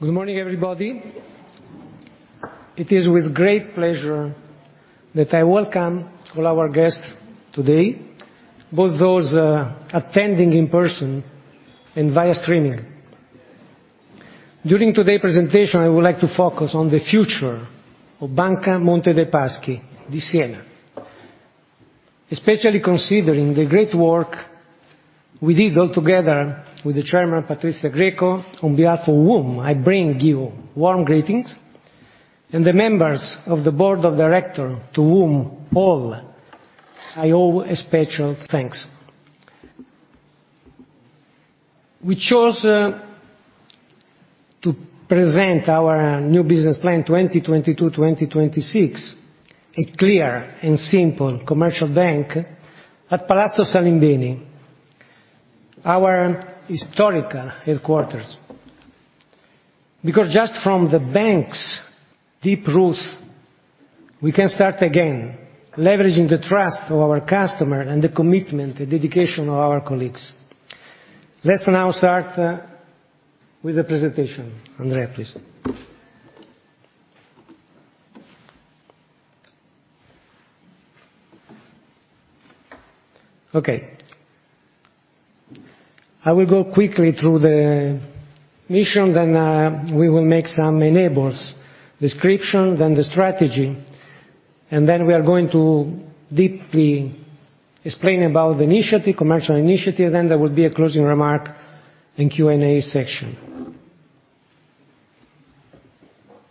Good morning everybody. It is with great pleasure that I welcome all our guests today, both those attending in person and via streaming. During today presentation, I would like to focus on the future of Banca Monte dei Paschi di Siena, especially considering the great work we did all together with the chairman, Patrizia Grieco, on behalf of whom I bring you warm greetings, and the members of the board of director to whom all I owe a special thanks. We chose to present our new business plan, 2022/2026, a clear and simple commercial bank at Palazzo Salimbeni, our historical headquarters. Just from the bank's deep roots, we can start again leveraging the trust of our customer and the commitment and dedication of our colleagues. Let's now start with the presentation. Andrea, please. Okay. I will go quickly through the mission, then, we will make some enabling description, then the strategy. We are going to deeply explain about the initiative, commercial initiative, then there will be a closing remark and Q&A section.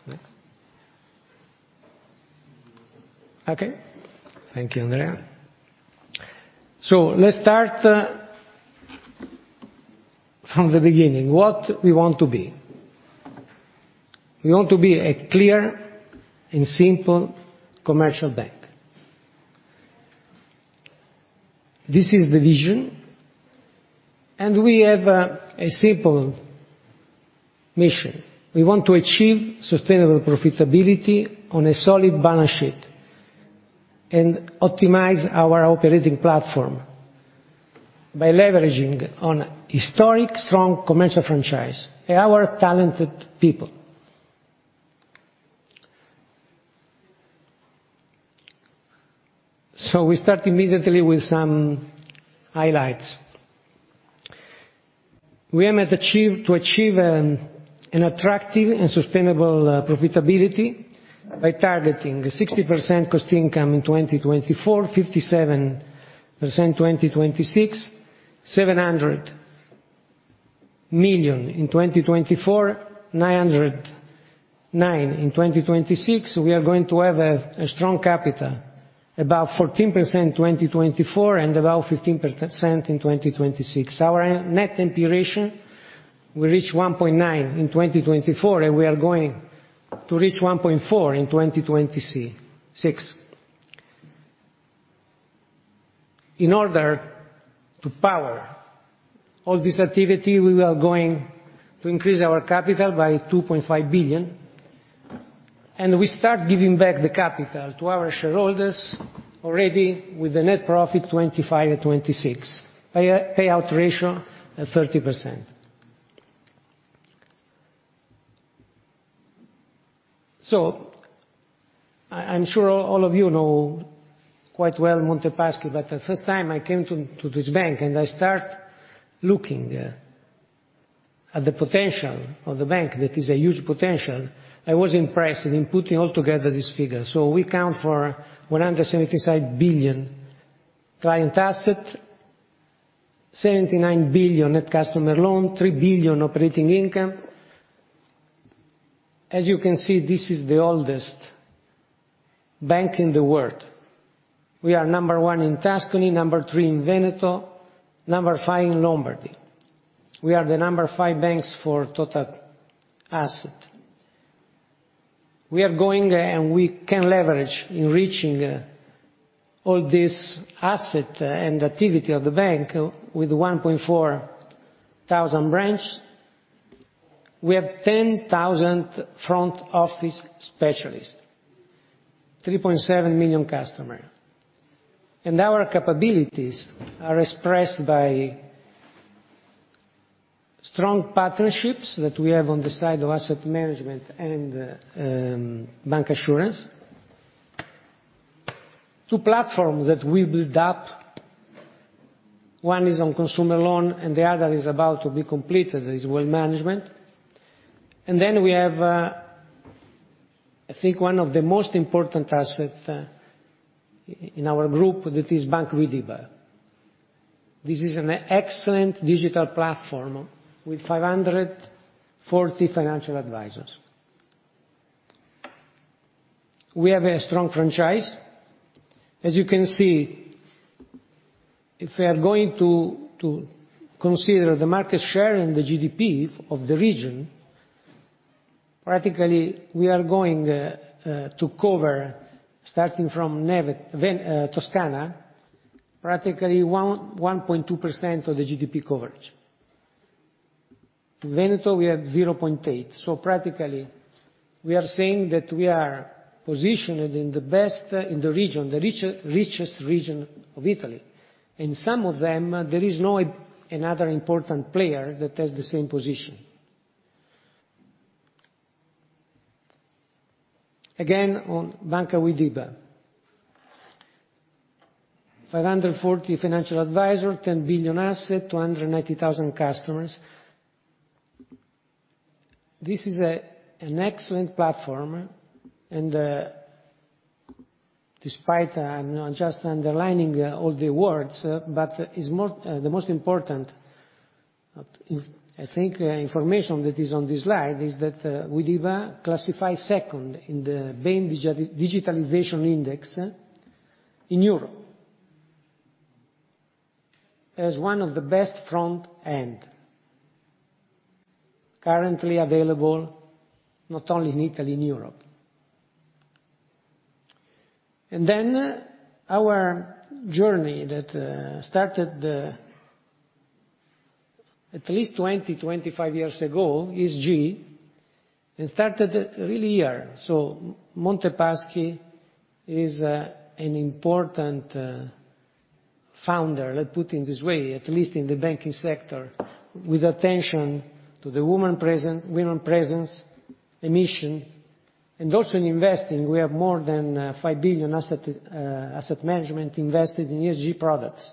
Next. Okay. Thank you, Andrea. Let's start from the beginning, what we want to be. We want to be a clear and simple commercial bank. This is the vision, and we have a simple mission. We want to achieve sustainable profitability on a solid balance sheet and optimize our operating platform by leveraging on historically strong commercial franchise and our talented people. We start immediately with some highlights. We aim to achieve an attractive and sustainable profitability by targeting 60% cost income in 2024, 57% in 2026, 700 million in 2024, 909 million in 2026. We are going to have a strong capital, about 14% in 2024 and about 15% in 2026. Our net impairment will reach 1.9 billion in 2024, and we are going to reach 1.4 billion in 2026. In order to power all this activity, we are going to increase our capital by 2.5 billion, and we start giving back the capital to our shareholders already with the net profit 2025 and 2026, payout ratio at 30%. I'm sure all of you know quite well Monte Paschi, but the first time I came to this bank, and I start looking at the potential of the bank, that is a huge potential, I was impressed in putting all together this figure. We account for 175 billion client asset, 79 billion net customer loan, 3 billion operating income. As you can see, this is the oldest bank in the world. We are number one in Tuscany, number three in Veneto, number five in Lombardy. We are the number five banks for total asset. We are going, and we can leverage in reaching all this asset and activity of the bank with 14,000 branch. We have 10,000 front office specialist, 3.7 million customer. Our capabilities are expressed by strong partnerships that we have on the side of asset management and bancassurance. Two platforms that we build up, one is on consumer loan and the other is about to be completed, is wealth management. Then we have, I think one of the most important asset in our group that is Banca Widiba. This is an excellent digital platform with 540 financial advisors. We have a strong franchise. As you can see, if we are going to consider the market share and the GDP of the region, practically, we are going to cover, starting from Toscana, practically 1.2% of the GDP coverage. In Veneto, we have 0.8%, so we are saying that we are positioned in the best in the region, the richest region of Italy. In some of them, there is no other important player that has the same position. Again, on Banca Widiba. 540 financial advisors, 10 billion asset, 290,000 customers. This is an excellent platform, and despite, I'm just underlining all the words, but is more the most important information that is on this slide is that Widiba classify second in the Bain Digitalization Index in Europe. As one of the best front end currently available, not only in Italy, in Europe. Then our journey that started at least 20-25 years ago, ESG, it started really here. Monte dei Paschi is an important forerunner, let's put it in this way, at least in the banking sector, with attention to the women's presence and advancement, and also in investing, we have more than 5 billion asset management invested in ESG products.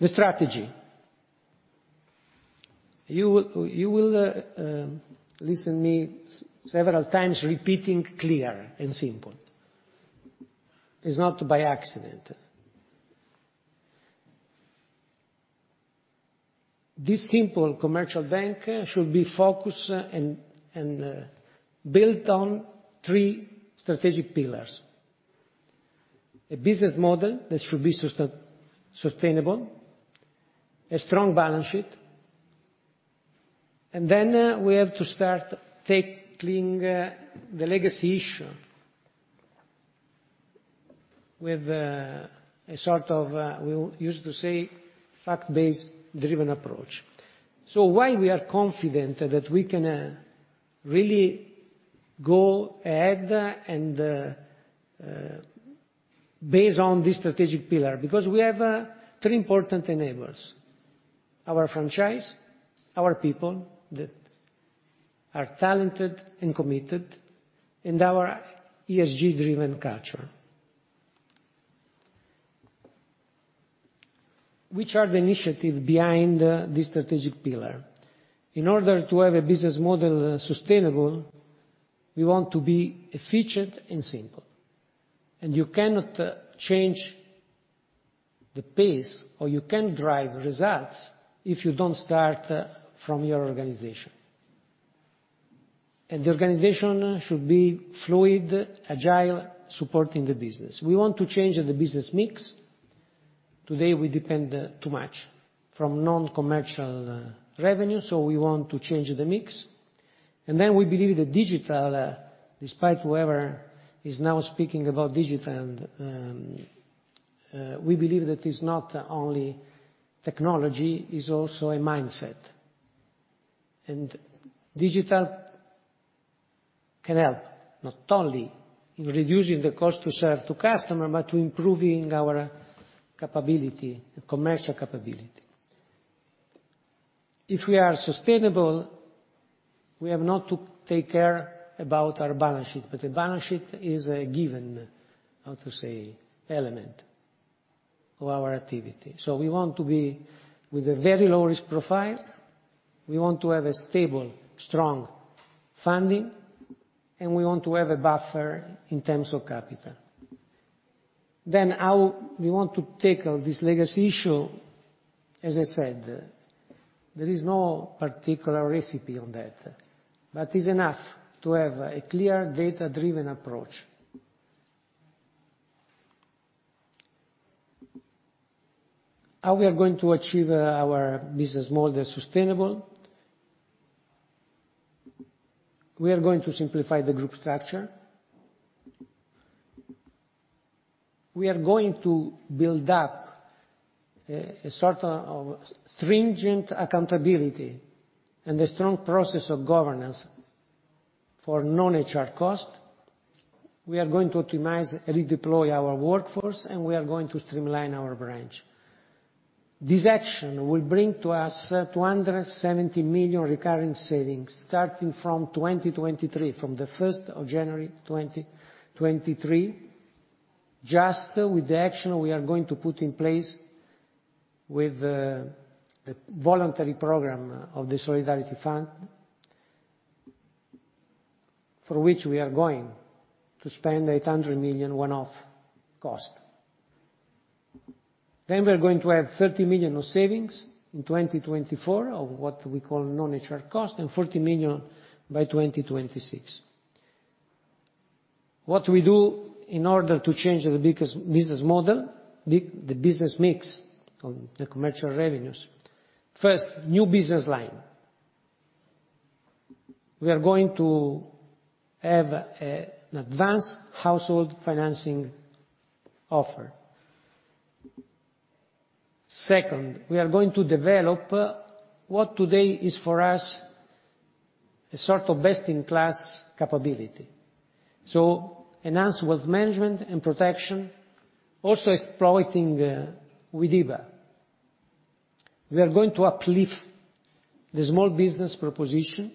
The strategy. You will hear me several times repeating clear and simple. It's not by accident. This simple commercial bank should be focused and built on three strategic pillars. A business model that should be sustainable, a strong balance sheet, and then we have to start tackling the legacy issue with a sort of, we used to say, fact-based driven approach. Why we are confident that we can really go ahead and based on this strategic pillar? Because we have three important enablers. Our franchise, our people that are talented and committed, and our ESG-driven culture. Which are the initiative behind this strategic pillar? In order to have a business model sustainable, we want to be efficient and simple. You cannot change the pace, or you can't drive results if you don't start from your organization. The organization should be fluid, agile, supporting the business. We want to change the business mix. Today, we depend too much from non-commercial revenue, so we want to change the mix. Then we believe that digital, despite whoever is now speaking about digital, and we believe that it's not only technology, it's also a mindset. Digital can help, not only in reducing the cost to serve to customer, but to improving our capability, commercial capability. If we are sustainable, we have not to take care about our balance sheet, but the balance sheet is a given, how to say, element of our activity. We want to be with a very low risk profile, we want to have a stable, strong funding, and we want to have a buffer in terms of capital. How we want to tackle this legacy issue, as I said, there is no particular recipe on that, but it's enough to have a clear data-driven approach. How we are going to achieve our business model sustainable? We are going to simplify the group structure. We are going to build up a sort of stringent accountability and a strong process of governance for non-HR cost. We are going to optimize, redeploy our workforce, and we are going to streamline our branch. This action will bring to us 270 million recurring savings, starting from 2023, from the 1st of January 2023, just with the action we are going to put in place with the voluntary program of the solidarity fund, for which we are going to spend 800 million one-off cost. We are going to have 30 million of savings in 2024 of what we call non-HR cost, and 40 million by 2026. What we do in order to change the biggest business model, the business mix on the commercial revenues. First, new business line. We are going to have an advanced household financing offer. Second, we are going to develop what today is for us a sort of best-in-class capability. Enhance wealth management and protection, also exploiting Widiba. We are going to uplift the small business proposition,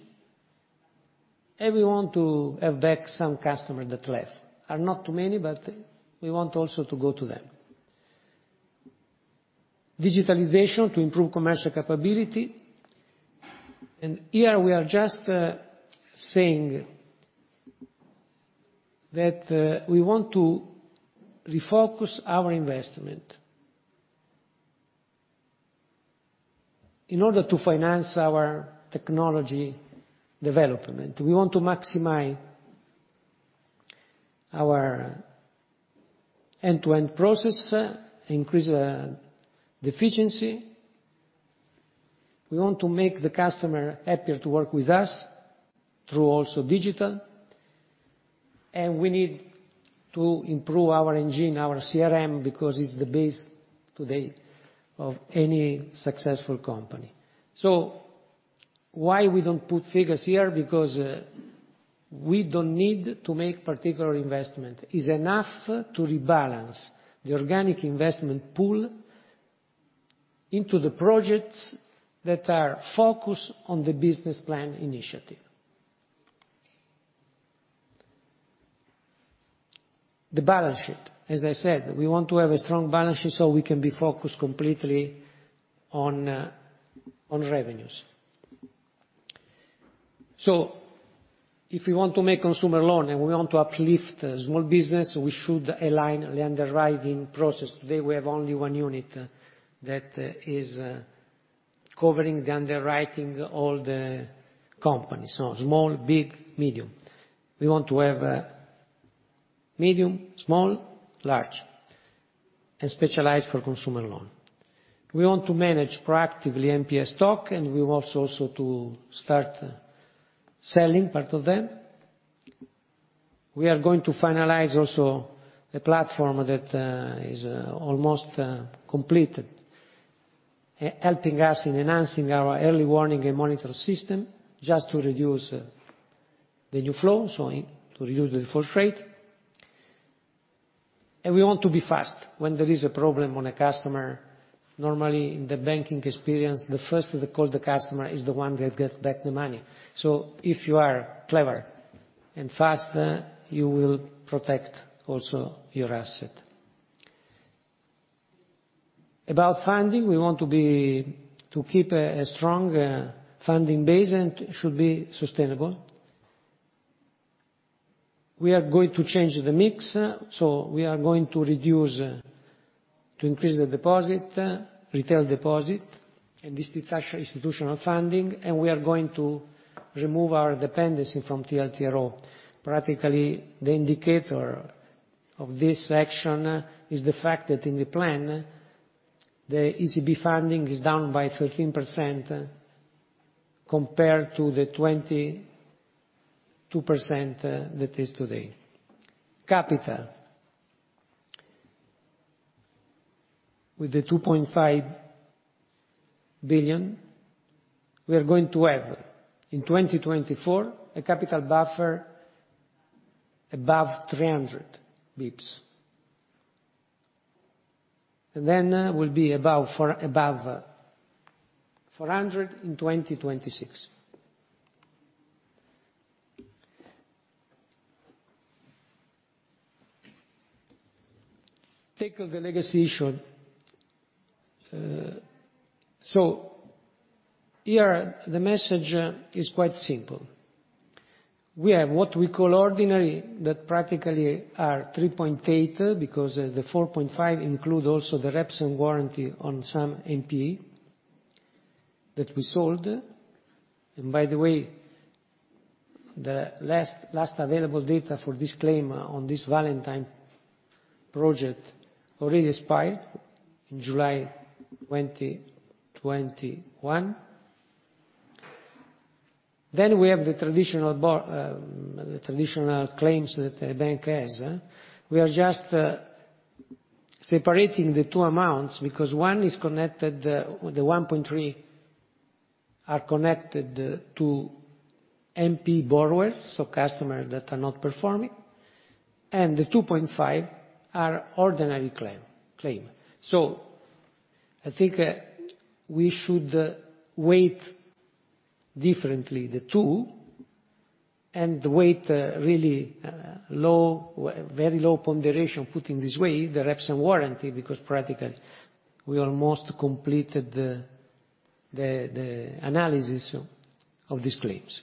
and we want to have back some customer that left. There are not too many, but we want also to go to them. Digitalization to improve commercial capability. Here we are just saying that we want to refocus our investment in order to finance our technology development. We want to maximize our end-to-end process, increase the efficiency. We want to make the customer happier to work with us through also digital, and we need to improve our engine, our CRM, because it's the base today of any successful company. Why we don't put figures here? Because we don't need to make particular investment. It is enough to rebalance the organic investment pool into the projects that are focused on the business plan initiative. The balance sheet. As I said, we want to have a strong balance sheet so we can be focused completely on revenues. If we want to make consumer loan and we want to uplift small business, we should align the underwriting process. Today, we have only one unit that is covering the underwriting all the companies. Small, big, medium. We want to have medium, small, large, and specialized for consumer loan. We want to manage proactively NPE stock, and we want also to start selling part of them. We are going to finalize also a platform that is almost completed, helping us in enhancing our early warning and monitor system just to reduce the new flow, so to reduce the default rate. We want to be fast when there is a problem on a customer. Normally, in the banking experience, the first to call the customer is the one that gets back the money. If you are clever and faster, you will protect also your asset. About funding, we want to keep a strong funding base, and it should be sustainable. We are going to change the mix, so we are going to increase retail deposit and reduce institutional funding, and we are going to remove our dependency from TLTRO. Practically, the indicator of this action is the fact that in the plan, the ECB funding is down by 13% compared to the 22% that is today. Capital. With the 2.5 billion, we are going to have, in 2024, a capital buffer above 300 basis points. It will be above 400 in 2026. Take the legacy issue. The message here is quite simple. We have what we call ordinary, that practically are 3.8, because the 4.5 include also the reps and warranty on some NPE that we sold. By the way, the last available data for disclaimer on this Valentino project already expired in July 2021. We have the traditional claims that a bank has. We are just separating the two amounts because one is connected, the 1.3 are connected to NPE borrowers, so customers that are not performing, and the 2.5 are ordinary claims. I think we should weight differently the two, and weight really low, very low ponderation, put in this way, the reps and warranty, because practically we almost completed the analysis of these claims.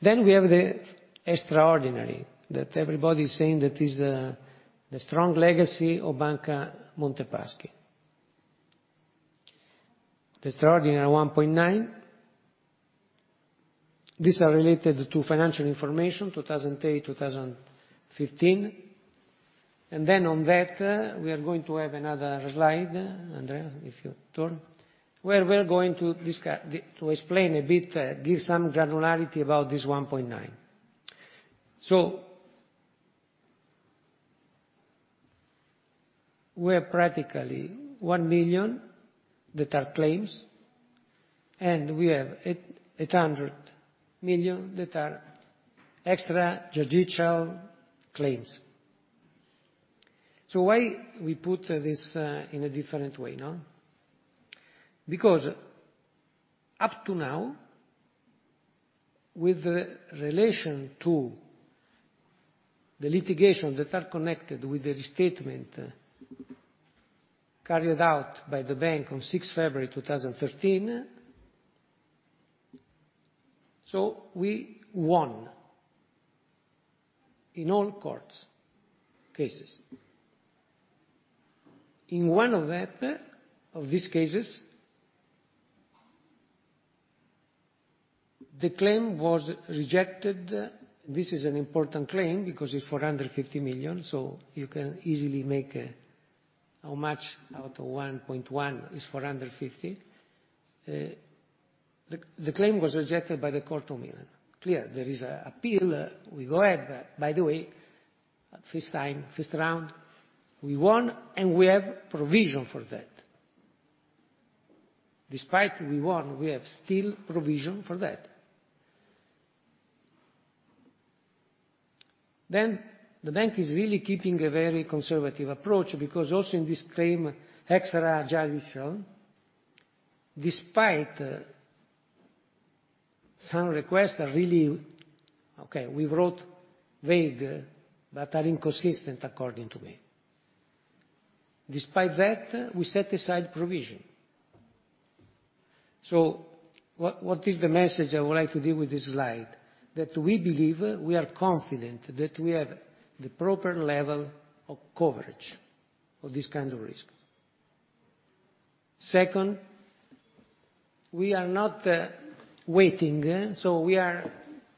We have the extraordinary that everybody is saying that is the strong legacy of Banca Monte dei Paschi di Siena. The extraordinary, 1.9 billion. These are related to financial information, 2008-2015. On that, we are going to have another slide, Andrea, if you turn, where we're going to explain a bit, give some granularity about this 1.9 billion. We have practically 1 billion that are claims, and we have 800 million that are extrajudicial claims. Why we put this in a different way, no? Because up to now, with relation to the litigation that are connected with the restatement carried out by the bank on 6th February 2013, we won in all court cases. In one of those cases, the claim was rejected. This is an important claim because it's 450 million, so you can easily make how much out of 1.1 billion is 450 million. The claim was rejected by the Court of Milan. Clear. There is an appeal. We go ahead. By the way, first time, first round, we won, and we have provision for that. Despite we won, we have still provision for that. The bank is really keeping a very conservative approach because also in this claim, extrajudicial, despite some requests are really vague, but are inconsistent according to me. Despite that, we set aside provision. What is the message I would like to give with this slide? That we believe, we are confident that we have the proper level of coverage of this kind of risk. Second, we are not waiting, so we are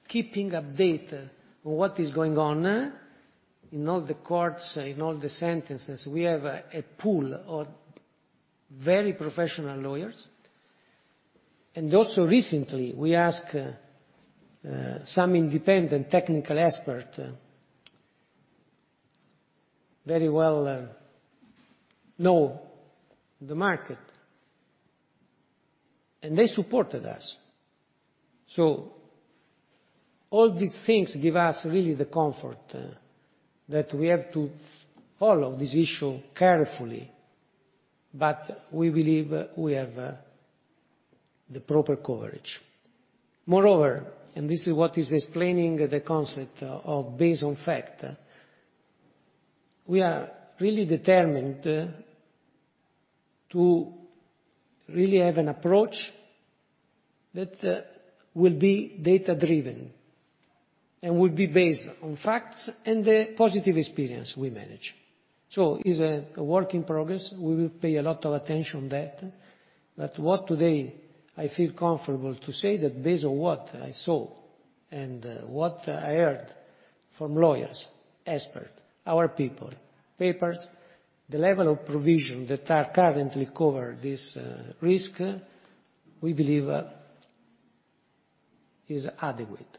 keeping update on what is going on in all the courts, in all the sentences. We have a pool of very professional lawyers, and also recently we ask some independent technical expert, very well know the market, and they supported us. All these things give us really the comfort that we have to follow this issue carefully, but we believe we have the proper coverage. Moreover, this is what is explaining the concept of based on fact. We are really determined to really have an approach that will be data-driven and will be based on facts and the positive experience we manage. Is a work in progress. We will pay a lot of attention on that. What today I feel comfortable to say that based on what I saw and what I heard from lawyers, experts, our people, papers, the level of provisions that are currently cover this risk, we believe, is adequate.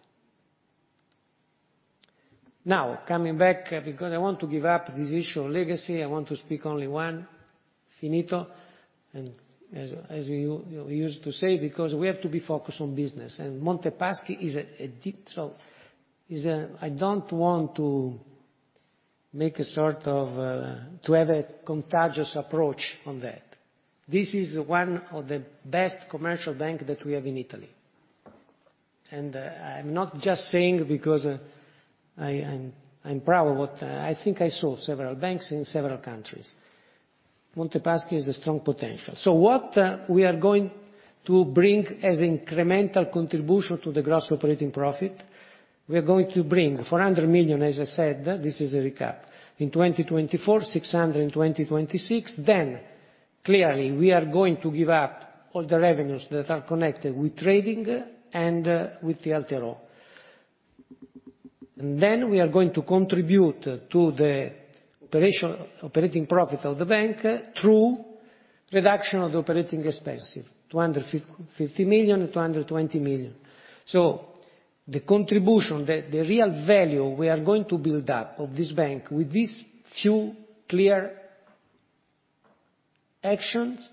Now coming back, because I want to wrap up this issue of legacy, I want to speak only once, finito, and as you used to say, because we have to be focused on business and Montepaschi is a so is a. I don't want to make a sort of contagious approach on that. This is one of the best commercial bank that we have in Italy. I'm not just saying because I'm proud, but I think I saw several banks in several countries. Monte dei Paschi has a strong potential. What we are going to bring as incremental contribution to the gross operating profit, we are going to bring 400 million, as I said, this is a recap. In 2024, 600 million. In 2026, clearly we are going to give up all the revenues that are connected with trading and with the other. We are going to contribute to the operating profit of the bank through reduction of the operating expenses, 250 million to 120 million. The contribution, the real value we are going to build up of this bank with these few clear actions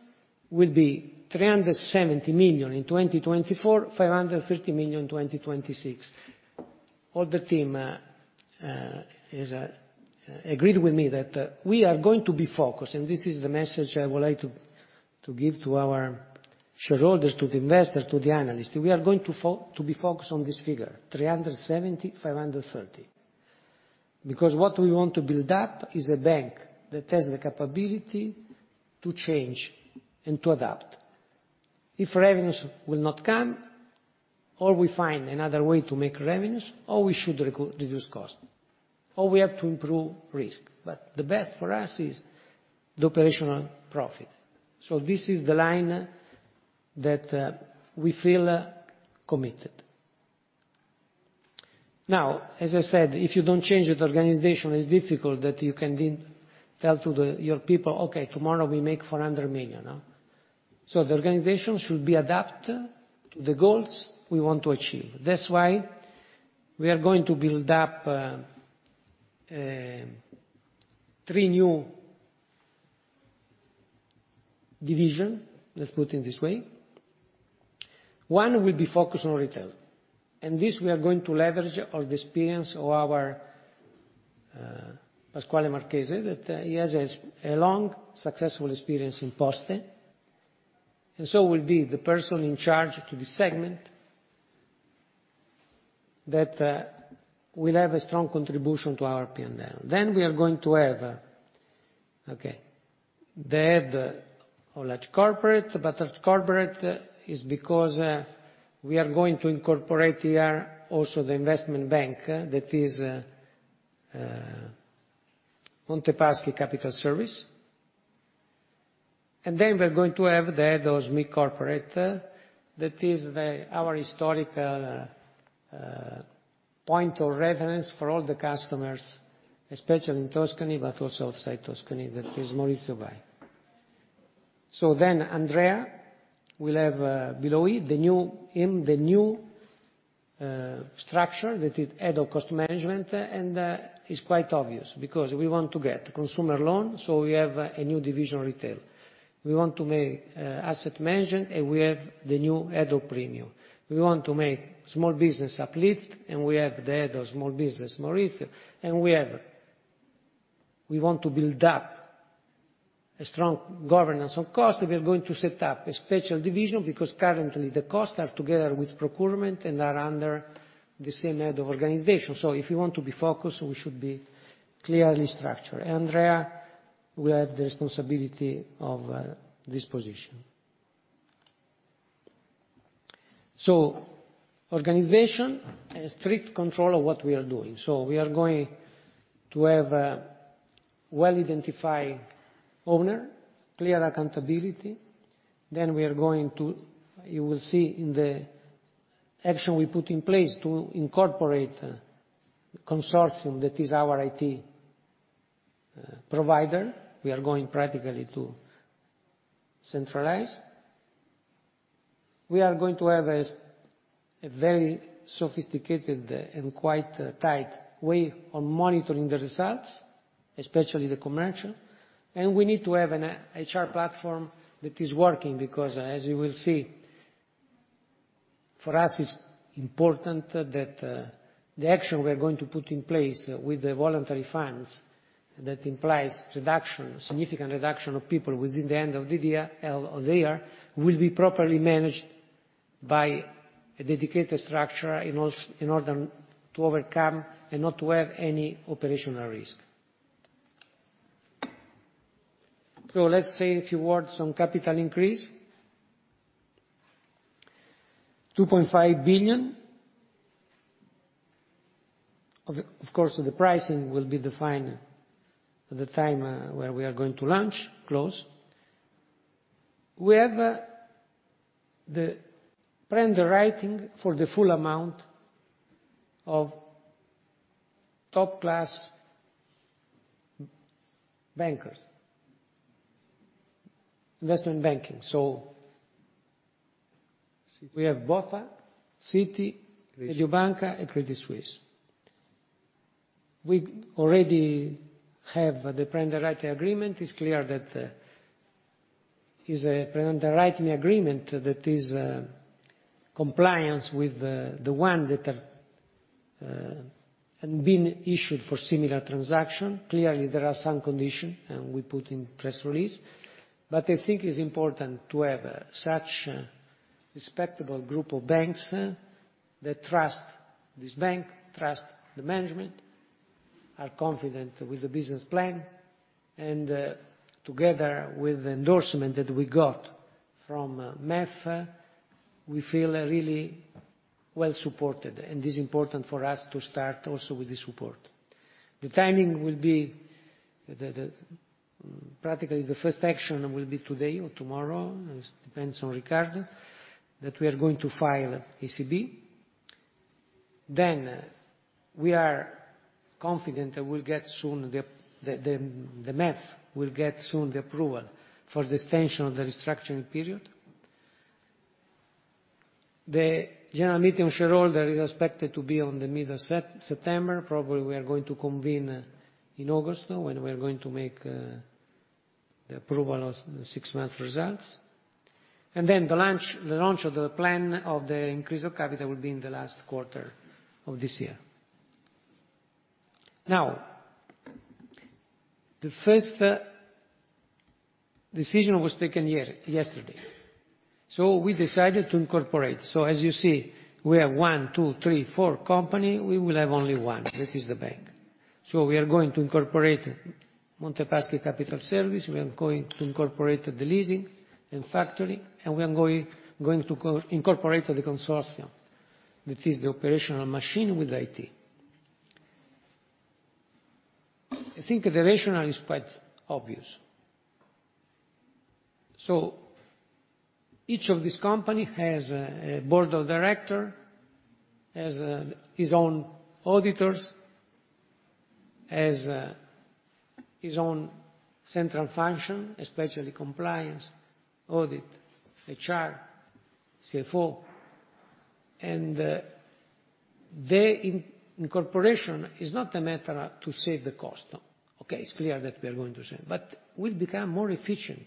will be 370 million in 2024, 530 million in 2026. All the team has agreed with me that we are going to be focused, and this is the message I would like to give to our shareholders, to the investors, to the analysts. We are going to be focused on this figure, 370, 530. Because what we want to build up is a bank that has the capability to change and to adapt. If revenues will not come, or we find another way to make revenues, or we should reduce cost, or we have to improve risk. But the best for us is the operational profit. This is the line that we feel committed. Now, as I said, if you don't change the organization, it's difficult that you can then tell your people, "Okay, tomorrow we make 400 million." No. The organization should be adapted to the goals we want to achieve. That's why we are going to build up three new division, let's put it this way. One will be focused on retail, and this we are going to leverage of the experience of our Pasquale Marchese, that he has a long, successful experience in Poste, and so will be the person in charge to this segment, that will have a strong contribution to our P&L. We are going to have the head of large corporate, but large corporate is because we are going to incorporate here also the investment bank that is MPS Capital Services. We're going to have the head of SME corporate. That is our historical point of reference for all the customers, especially in Tuscany, but also outside Tuscany, that is Maurizio Bai. Andrea will have below him the new structure that is head of cost management and is quite obvious because we want to get consumer loan, so we have a new division retail. We want to make asset management, and we have the new head of premium. We want to make small business uplift, and we have the head of small business, Maurizio. We have. We want to build up a strong governance of cost. We are going to set up a special division because currently the costs are together with procurement and are under the same head of organization. If we want to be focused, we should be clearly structured. Andrea will have the responsibility of this position. Organization and strict control of what we are doing. We are going to have a well-identified owner, clear accountability. Then we are going to. You will see in the action we put in place to incorporate the consortium that is our IT provider. We are going practically to centralize. We are going to have a very sophisticated and quite tight way of monitoring the results, especially the commercial. We need to have an HR platform that is working because, as you will see, for us, it's important that the action we are going to put in place with the voluntary funds, that implies reduction, significant reduction of people within the end of the year or the year, will be properly managed by a dedicated structure in order to overcome and not to have any operational risk. Let's say a few words on capital increase. EUR 2.5 billion. Of course, the pricing will be defined at the time where we are going to launch close. We have the underwriting for the full amount of top-class investment banking. We have BofA, Citi, UniCredit, and Credit Suisse. We already have the underwriting agreement. It's clear that it is an underwriting agreement that is in compliance with the one that has been issued for similar transactions. Clearly, there are some conditions, and we put in the press release. I think it's important to have such a respectable group of banks that trust this bank, trust the management, are confident with the business plan. Together with the endorsement that we got from MEF, we feel really well supported, and it is important for us to start also with the support. The timing will be practically the first action will be today or tomorrow, it depends on Riccardo, that we are going to file ECB. We are confident that the MEF will get soon the approval for the extension of the restructuring period. The shareholders' general meeting is expected to be in mid-September. Probably we are going to convene in August when we are going to make the approval of the six-month results. The launch of the plan of the increase of capital will be in the last quarter of this year. Now, the first decision was taken yesterday. We decided to incorporate. As you see, we have one, two, three, four companies. We will have only one, that is the bank. We are going to incorporate MPS Capital Services. We are going to incorporate the leasing and factoring, and we are going to incorporate the consortium, that is the operational machine with IT. I think the rationale is quite obvious. Each of these companies has a board of directors, has his own auditors. Has his own central function, especially compliance, audit, HR, CFO. The incorporation is not a matter to save the cost. It's clear that we are going to save, but we've become more efficient.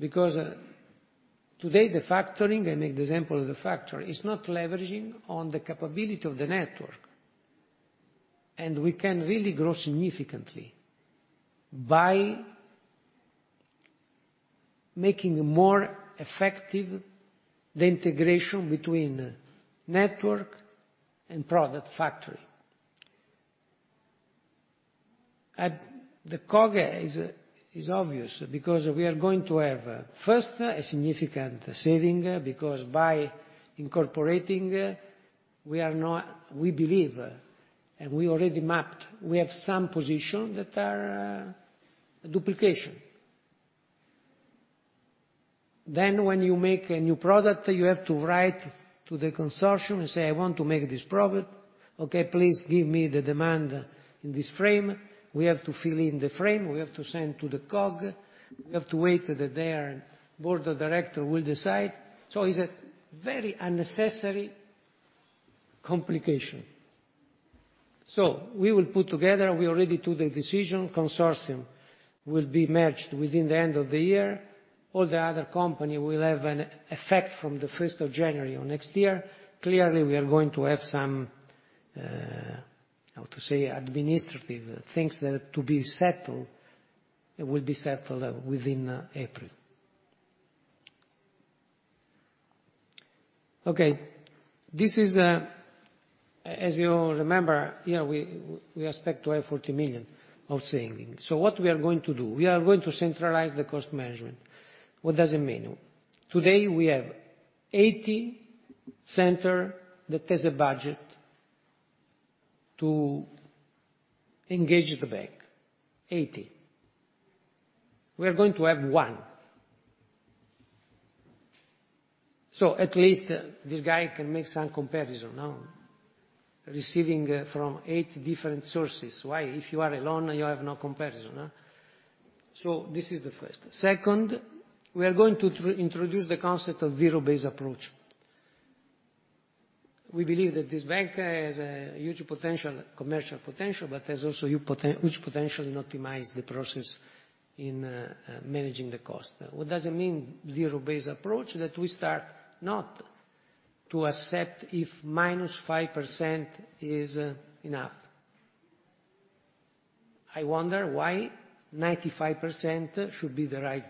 Today, the factoring, I make the example of the factoring, is not leveraging on the capability of the network. We can really grow significantly by making more effective the integration between network and product factory. At the COGS is obvious because we are going to have, first, a significant saving because by incorporating, we believe, and we already mapped, we have some positions that are duplication. Then when you make a new product, you have to write to the consortium and say, "I want to make this product. Okay, please give me the demand in this frame. We have to fill in the frame, we have to send to the CoG, we have to wait that their board of directors will decide. It's a very unnecessary complication. We will put together, we already took the decision, consortium will be merged by the end of the year. All the other companies will have an effect from the 1st of January next year. Clearly, we are going to have some, how to say, administrative things that are to be settled, will be settled by April. Okay. This is, as you remember, here we expect to have 40 million of savings. What we are going to do? We are going to centralize the cost management. What does it mean? Today, we have 80 centre that has a budget to engage the bank. We are going to have one. At least this guy can make some comparison, no? Receiving from eight different sources. Why? If you are alone, you have no comparison, huh? This is the first. Second, we are going to introduce the concept of zero-based approach. We believe that this bank has a huge potential, commercial potential, but has also huge potential in optimize the process in managing the cost. What does it mean, zero-based approach? That we start not to accept if minus 5% is enough. I wonder why 95% should be the right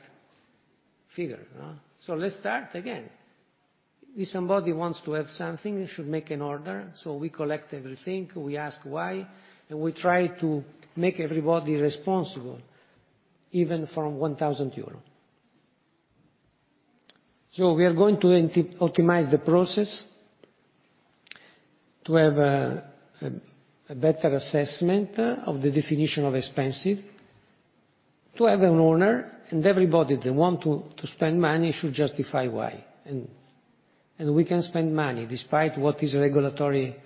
figure, huh? Let's start again. If somebody wants to have something, they should make an order, so we collect everything, we ask why, and we try to make everybody responsible, even from 1,000 euros. We are going to optimize the process to have a better assessment of the definition of expense, to have an owner, and everybody that want to spend money should justify why. We can spend money despite what is regulatory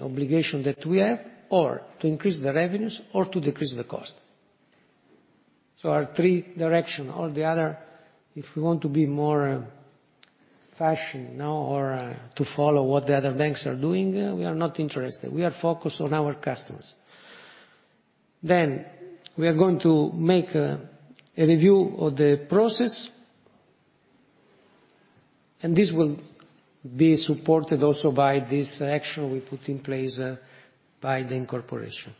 obligation that we have, or to increase the revenues, or to decrease the cost. Our three directions, all the others, if we want to be more fancy now or to follow what the other banks are doing, we are not interested. We are focused on our customers. We are going to make a review of the process, and this will be supported also by this action we put in place by the incorporation.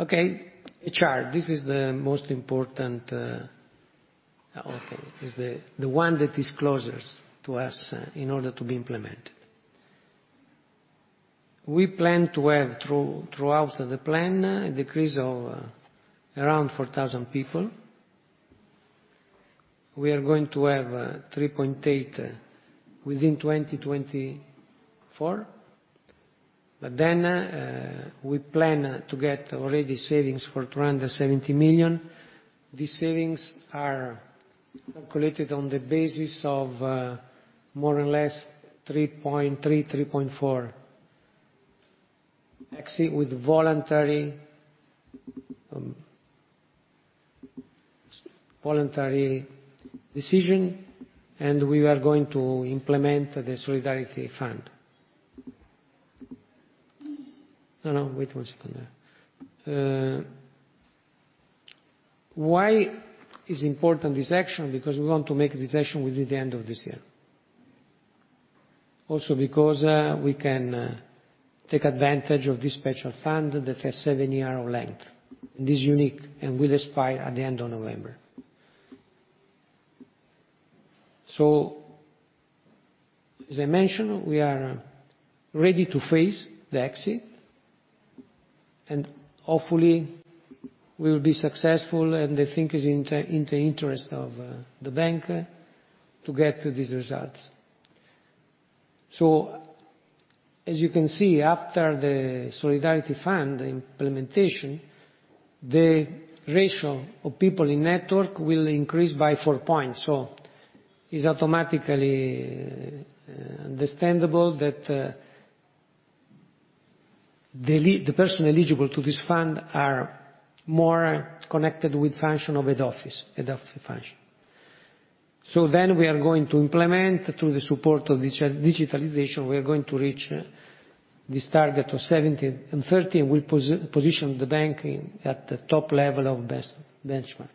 Okay. HR, this is the most important, is the one that is closest to us in order to be implemented. We plan to have throughout the plan a decrease of around 4,000 people. We are going to have 3.8 within 2024. We plan to get already savings for 270 million. These savings are calculated on the basis of more or less 3.3, 3.4. Exit with voluntary decision, and we are going to implement the solidarity fund. Wait one second there. Why is important this action? Because we want to make this action within the end of this year. Because we can take advantage of this special fund that has 7 years of length. It is unique and will expire at the end of November. As I mentioned, we are ready to face the exit, and hopefully we will be successful, and I think it's in the interest of the bank to get to these results. As you can see, after the solidarity fund implementation, the ratio of people in network will increase by 4 points. It's automatically understandable that the person eligible to this fund are more connected with function of head office function. We are going to implement through the support of digitalization, we are going to reach this target of 17 and 13, we position the banking at the top level of benchmark.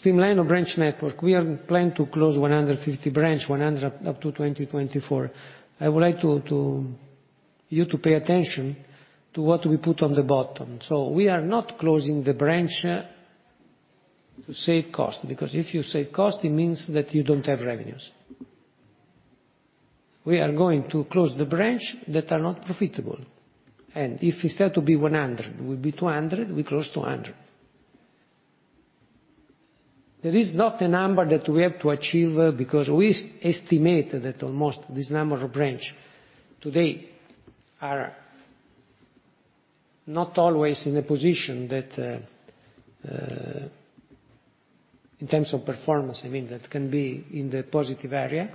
Streamlining of branch network. We are planning to close 150 branch, 100 up to 2024. I would like you to pay attention to what we put on the bottom. We are not closing the branch to save cost because if you save cost, it means that you don't have revenues. We are going to close the branch that are not profitable. If it's said to be 100, it will be 200, we close 200. There is not a number that we have to achieve because we estimated that almost this number of branch today are not always in a position that, in terms of performance, I mean, that can be in the positive area.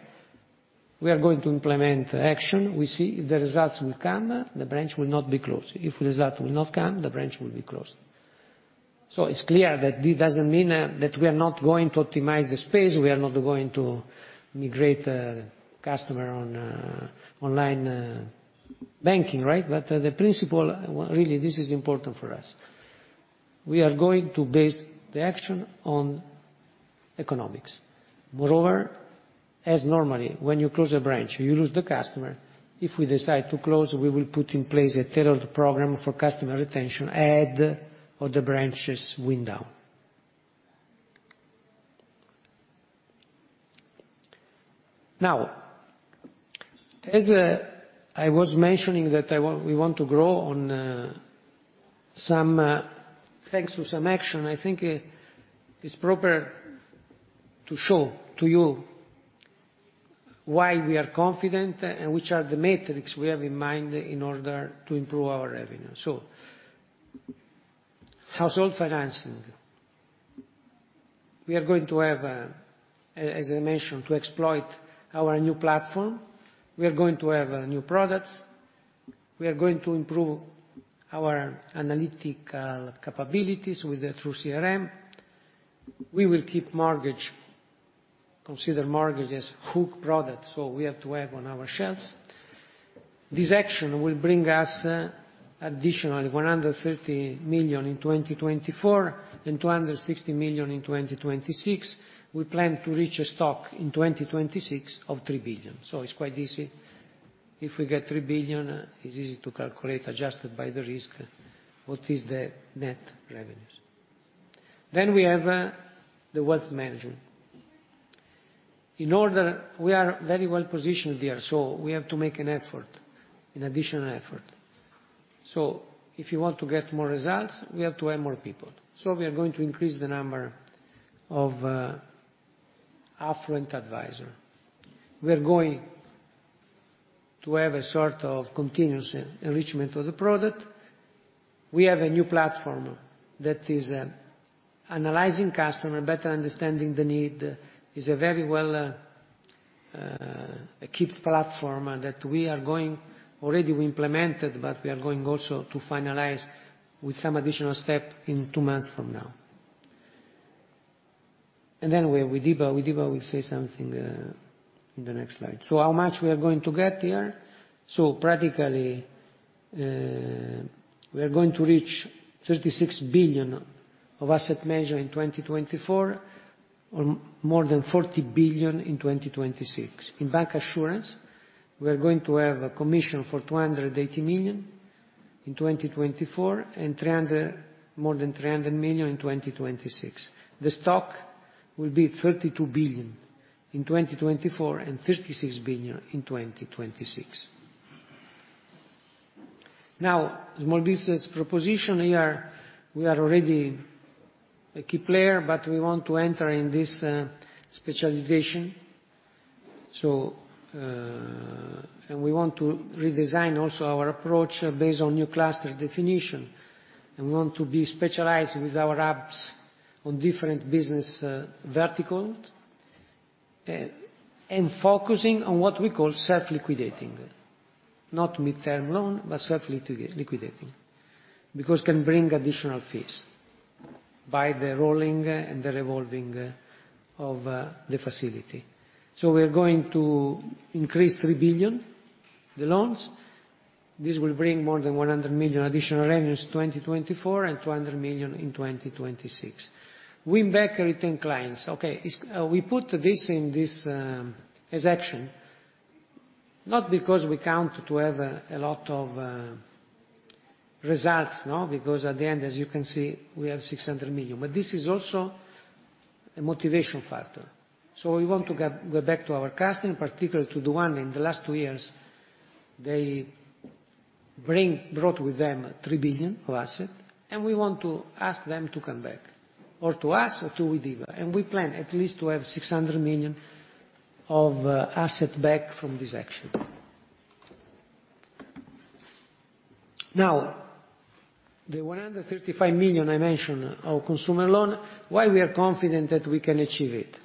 We are going to implement action. We see if the results will come, the branch will not be closed. If results will not come, the branch will be closed. It's clear that this doesn't mean that we are not going to optimize the space. We are not going to migrate customers onto online banking, right? The principle, really, this is important for us. We are going to base the action on economics. Moreover, as normally when you close a branch, you lose the customer. If we decide to close, we will put in place a tailored program for customer retention as the other branches wind down. Now, as I was mentioning, we want to grow income thanks to some action. I think it's proper to show to you why we are confident and which are the metrics we have in mind in order to improve our revenue. Household financing. We are going to have, as I mentioned, to exploit our new platform. We are going to have new products. We are going to improve our analytical capabilities with the true CRM. We will keep mortgage, consider mortgage as hook product, so we have to have on our shelves. This action will bring us additionally 130 million in 2024 and 260 million in 2026. We plan to reach a stock in 2026 of 3 billion. It's quite easy. If we get 3 billion, it's easy to calculate, adjusted by the risk, what is the net revenues. Then we have the wealth management. We are very well positioned there, so we have to make an effort, an additional effort. If you want to get more results, we have to add more people. We are going to increase the number of affluent advisor. We are going to have a sort of continuous enrichment of the product. We have a new platform that is analyzing customer, better understanding the need. It is a very well equipped platform that we already implemented, but we are going also to finalize with some additional step in two months from now. With Widiba, we say something in the next slide. How much we are going to get here. Practically, we are going to reach 36 billion of asset management in 2024 or more than 40 billion in 2026. In bancassurance, we are going to have a commission for 280 million in 2024 and 300 million, more than 300 million in 2026. The stock will be 32 billion in 2024 and 36 billion in 2026. Now, small business proposition here, we are already a key player, but we want to enter in this specialization. We want to redesign also our approach based on new cluster definition. We want to be specialized with our apps on different business verticals and focusing on what we call self-liquidating. Not midterm loan, but self-liquidating, because can bring additional fees by the rolling and the revolving of the facility. We are going to increase 3 billion, the loans. This will bring more than 100 million additional revenues, 2024 and 200 million in 2026. Win back retained clients. Okay, we put this in this as action, not because we count to have a lot of results. No, because at the end, as you can see, we have 600 million. This is also a motivation factor. We want to get back to our customer, in particular to the one in the last two years, they brought with them 3 billion of asset, and we want to ask them to come back to us or to Widiba. We plan at least to have 600 million of asset back from this action. Now, the 135 million I mentioned of consumer loan, why we are confident that we can achieve it?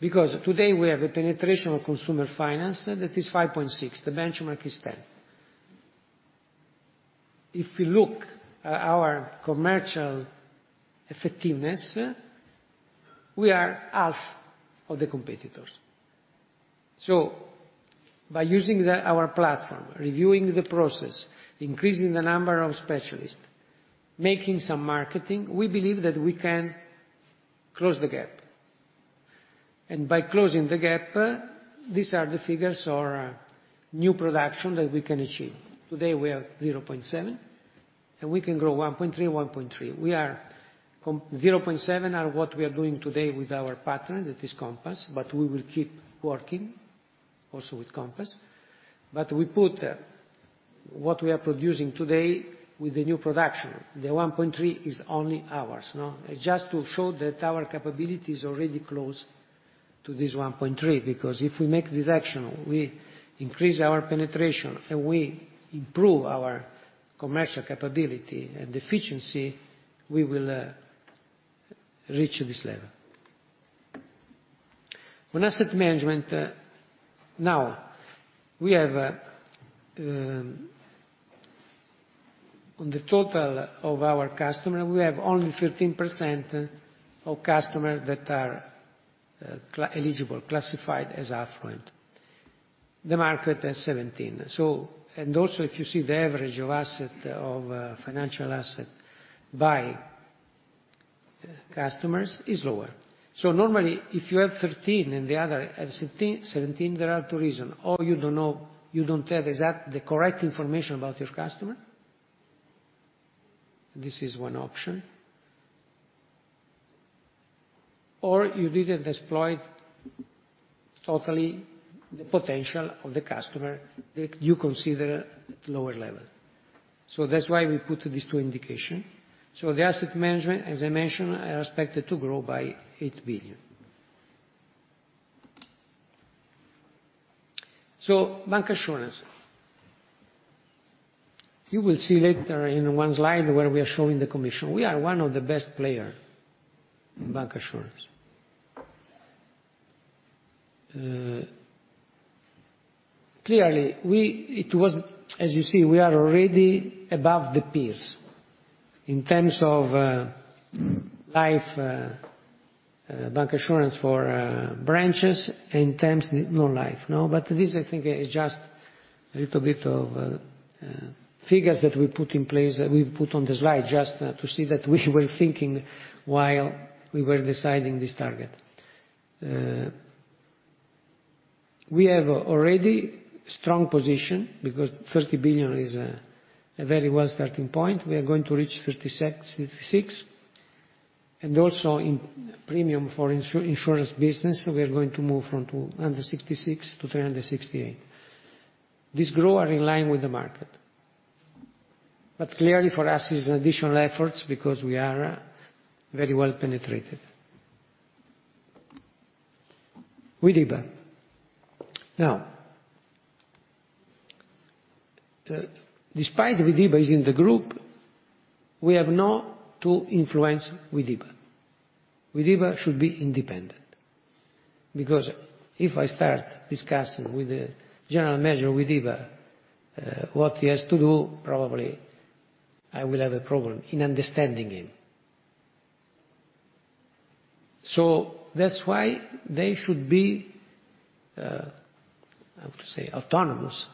Because today we have a penetration of consumer finance that is 5.6%. The benchmark is 10%. If you look at our commercial effectiveness, we are half of the competitors. By using our platform, reviewing the process, increasing the number of specialists, making some marketing, we believe that we can close the gap. By closing the gap, these are the figures of new production that we can achieve. Today we are at 0.7%, and we can grow 1.3%. 0.7% are what we are doing today with our partner, that is Compass, but we will keep working also with Compass. We put what we are producing today with the new production. The 1.3% is only ours, no? Just to show that our capability is already close to this 1.3%. Because if we make this action, we increase our penetration, and we improve our commercial capability and efficiency, we will reach this level. On asset management, we have, on the total of our customer, we have only 13% of customers that are eligible, classified as affluent. The market has 17%. if you see the average of asset, of financial asset by customers is lower. Normally, if you have 13 and the other have 17, there are two reason. You don't know, you don't have exact, the correct information about your customer, this is one option. You didn't exploit totally the potential of the customer that you consider lower level. That's why we put these two indication. The asset management, as I mentioned, are expected to grow by 8 billion. Bancassurance. You will see later in one slide where we are showing the commission. We are one of the best player in bancassurance. Clearly, as you see, we are already above the peers in terms of, life, bancassurance for, branches and in terms non-life, no? This I think is just a little bit of figures that we put in place that we put on the slide just to see that we were thinking while we were deciding this target. We have already strong position because 30 billion is a very good starting point. We are going to reach 36 billion. Also in premium for insurance business, we are going to move from 266 to 368. This growth is in line with the market. Clearly for us is additional efforts because we are very well penetrated. Widiba. Now, despite Widiba is in the group, we have not to influence Widiba. Widiba should be independent. Because if I start discussing with the general manager of Widiba what he has to do, probably I will have a problem in understanding him. That's why they should be autonomous,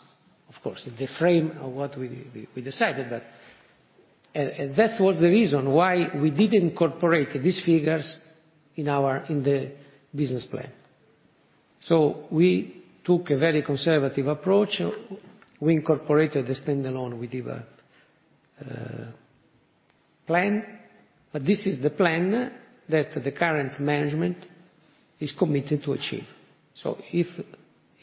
of course, in the frame of what we decided, but that was the reason why we didn't incorporate these figures in our business plan. We took a very conservative approach. We incorporated the stand-alone Widiba plan. This is the plan that the current management is committed to achieve. If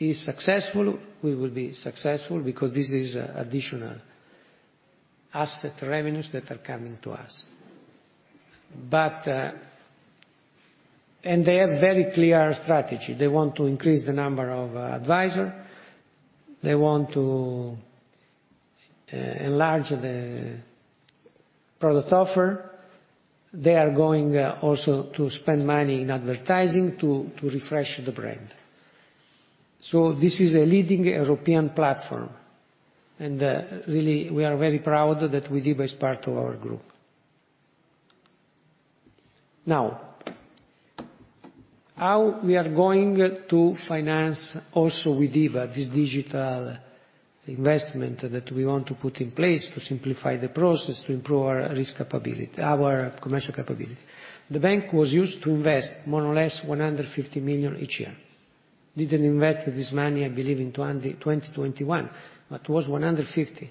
he's successful, we will be successful because this is additional asset revenues that are coming to us. They have very clear strategy. They want to increase the number of advisor. They want to enlarge the product offer. They are going also to spend money in advertising to refresh the brand. This is a leading European platform. Really, we are very proud that Widiba is part of our group. Now, how we are going to finance also Widiba, this digital investment that we want to put in place to simplify the process, to improve our risk capability, our commercial capability. The bank was used to invest more or less 150 million each year. Didn't invest this money, I believe, in 2021, but was 150 million.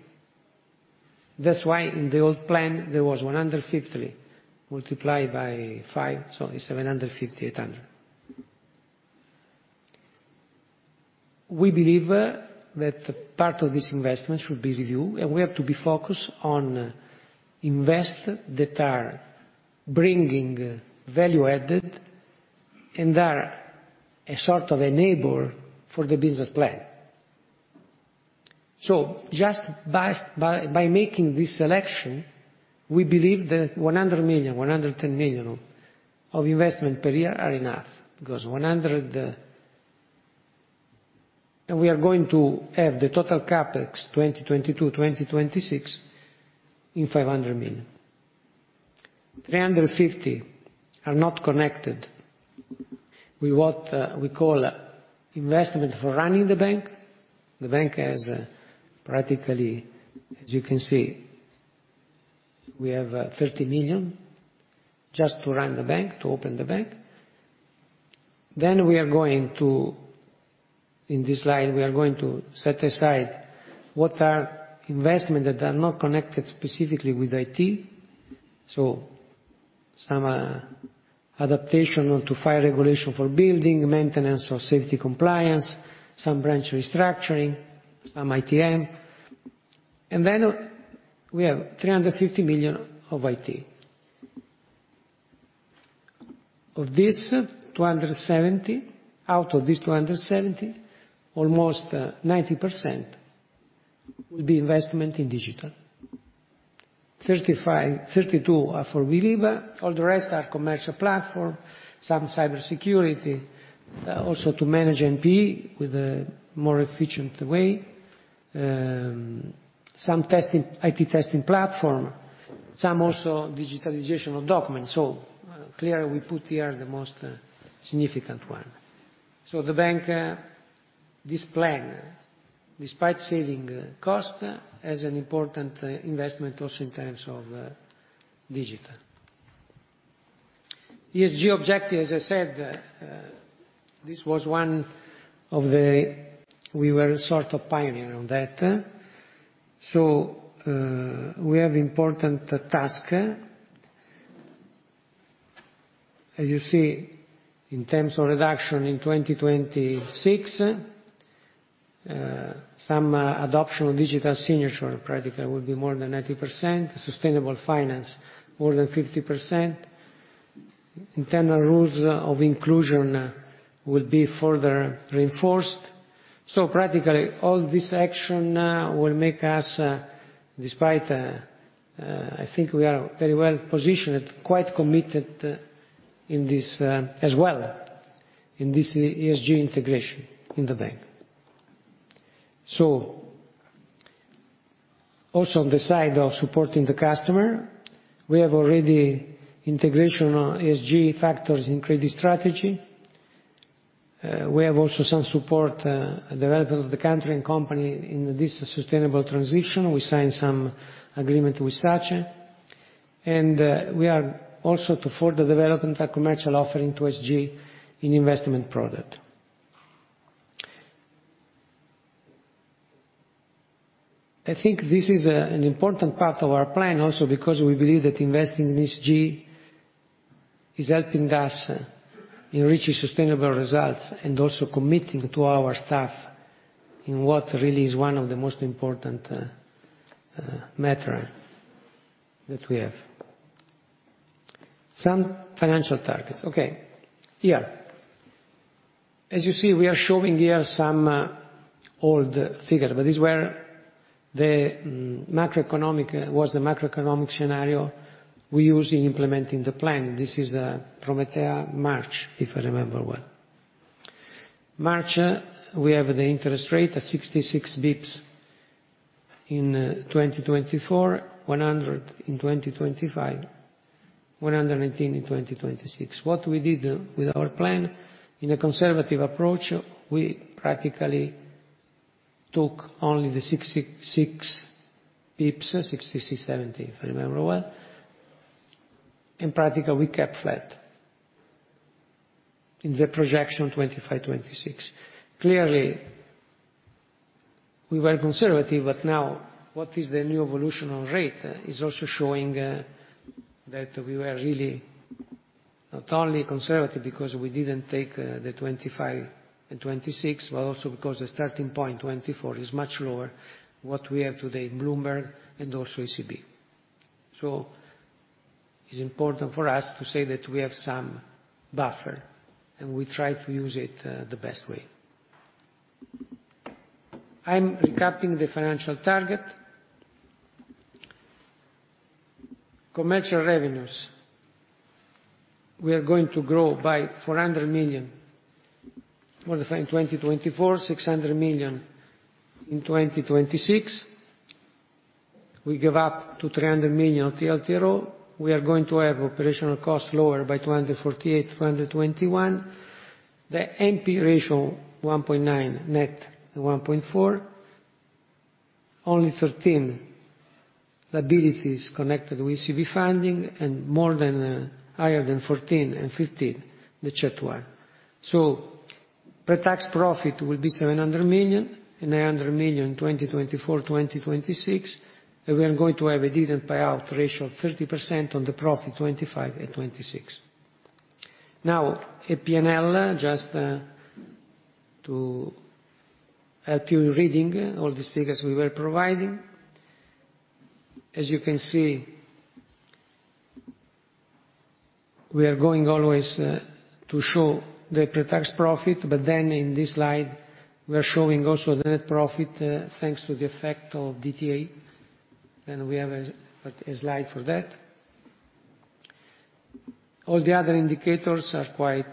That's why in the old plan there was 150 multiplied by five, so it's 750, 800. We believe that part of this investment should be reviewed, and we have to be focused on investments that are bringing value added. They are a sort of enabler for the business plan. Just by making this selection, we believe that 100 million, 110 million of investment per year are enough, because 100... We are going to have the total CapEx 2022-2026 in 500 million. 350 million are not connected with what we call investment for running the bank. The bank has practically, as you can see, we have 30 million just to run the bank, to open the bank. In this slide, we are going to set aside what are investments that are not connected specifically with IT. Some adaptation to fire regulation for building, maintenance or safety compliance, some branch restructuring, some ATMs. We have 350 million of IT. Of this, 270 million. Out of this 270 million, almost 90% will be investment in digital. 32 are for Widiba. All the rest are commercial platform, some cybersecurity, also to manage NP with a more efficient way. Some testing IT testing platform, some also digitization of documents. Clearly we put here the most significant one. The bank this plan, despite saving cost, has an important investment also in terms of digital. ESG objective, as I said. We were sort of pioneer on that. We have important task. As you see, in terms of reduction in 2026, some adoption of digital signature practically will be more than 90%, sustainable finance more than 50%. Internal rules of inclusion will be further reinforced. Practically all this action will make us, despite, I think we are very well positioned, quite committed in this, as well, in this ESG integration in the bank. Also on the side of supporting the customer, we have already integration on ESG factors in credit strategy. We have also some support, development of the country and company in this sustainable transition. We signed some agreement with SACE, and, we are also to further development our commercial offering to ESG in investment product. I think this is, an important part of our plan also because we believe that investing in ESG is helping us in reaching sustainable results and also committing to our staff in what really is one of the most important, matter that we have. Some financial targets. Okay, here. As you see, we are showing here some old figures, but these were the macroeconomic scenario we use in implementing the plan. This is Prometeia March, if I remember well. In March, we have the interest rate at 66 basis points in 2024, 100 in 2025, 118 in 2026. What we did with our plan, in a conservative approach, we practically took only the 66 basis points, 66.17, if I remember well. In practice, we kept flat in the projection 2025, 2026. Clearly, we were conservative, but now what is the new evolution on rate is also showing that we were really not only conservative because we didn't take the 2025 and 2026, but also because the starting point 2024 is much lower what we have today in Bloomberg and also ECB. It's important for us to say that we have some buffer, and we try to use it, the best way. I'm recapping the financial target. Commercial revenues, we are going to grow by 400 million in 2024, 600 million in 2026. We give up to 300 million TLTRO. We are going to have operational costs lower by 248 million, 221 million. The NP ratio 1.9%, net 1.4%. 0.13 liabilities connected with ECB funding and higher than 14% and 15%, the Tier 1. Pretax profit will be 700 million and 900 million in 2024, 2026. We are going to have a dividend payout ratio of 30% on the profit 2025 and 2026. Now a P&L, just to help you reading all these figures we were providing. As you can see, we are going always to show the pre-tax profit, but then in this slide, we are showing also the net profit, thanks to the effect of DTA, and we have a slide for that. All the other indicators are quite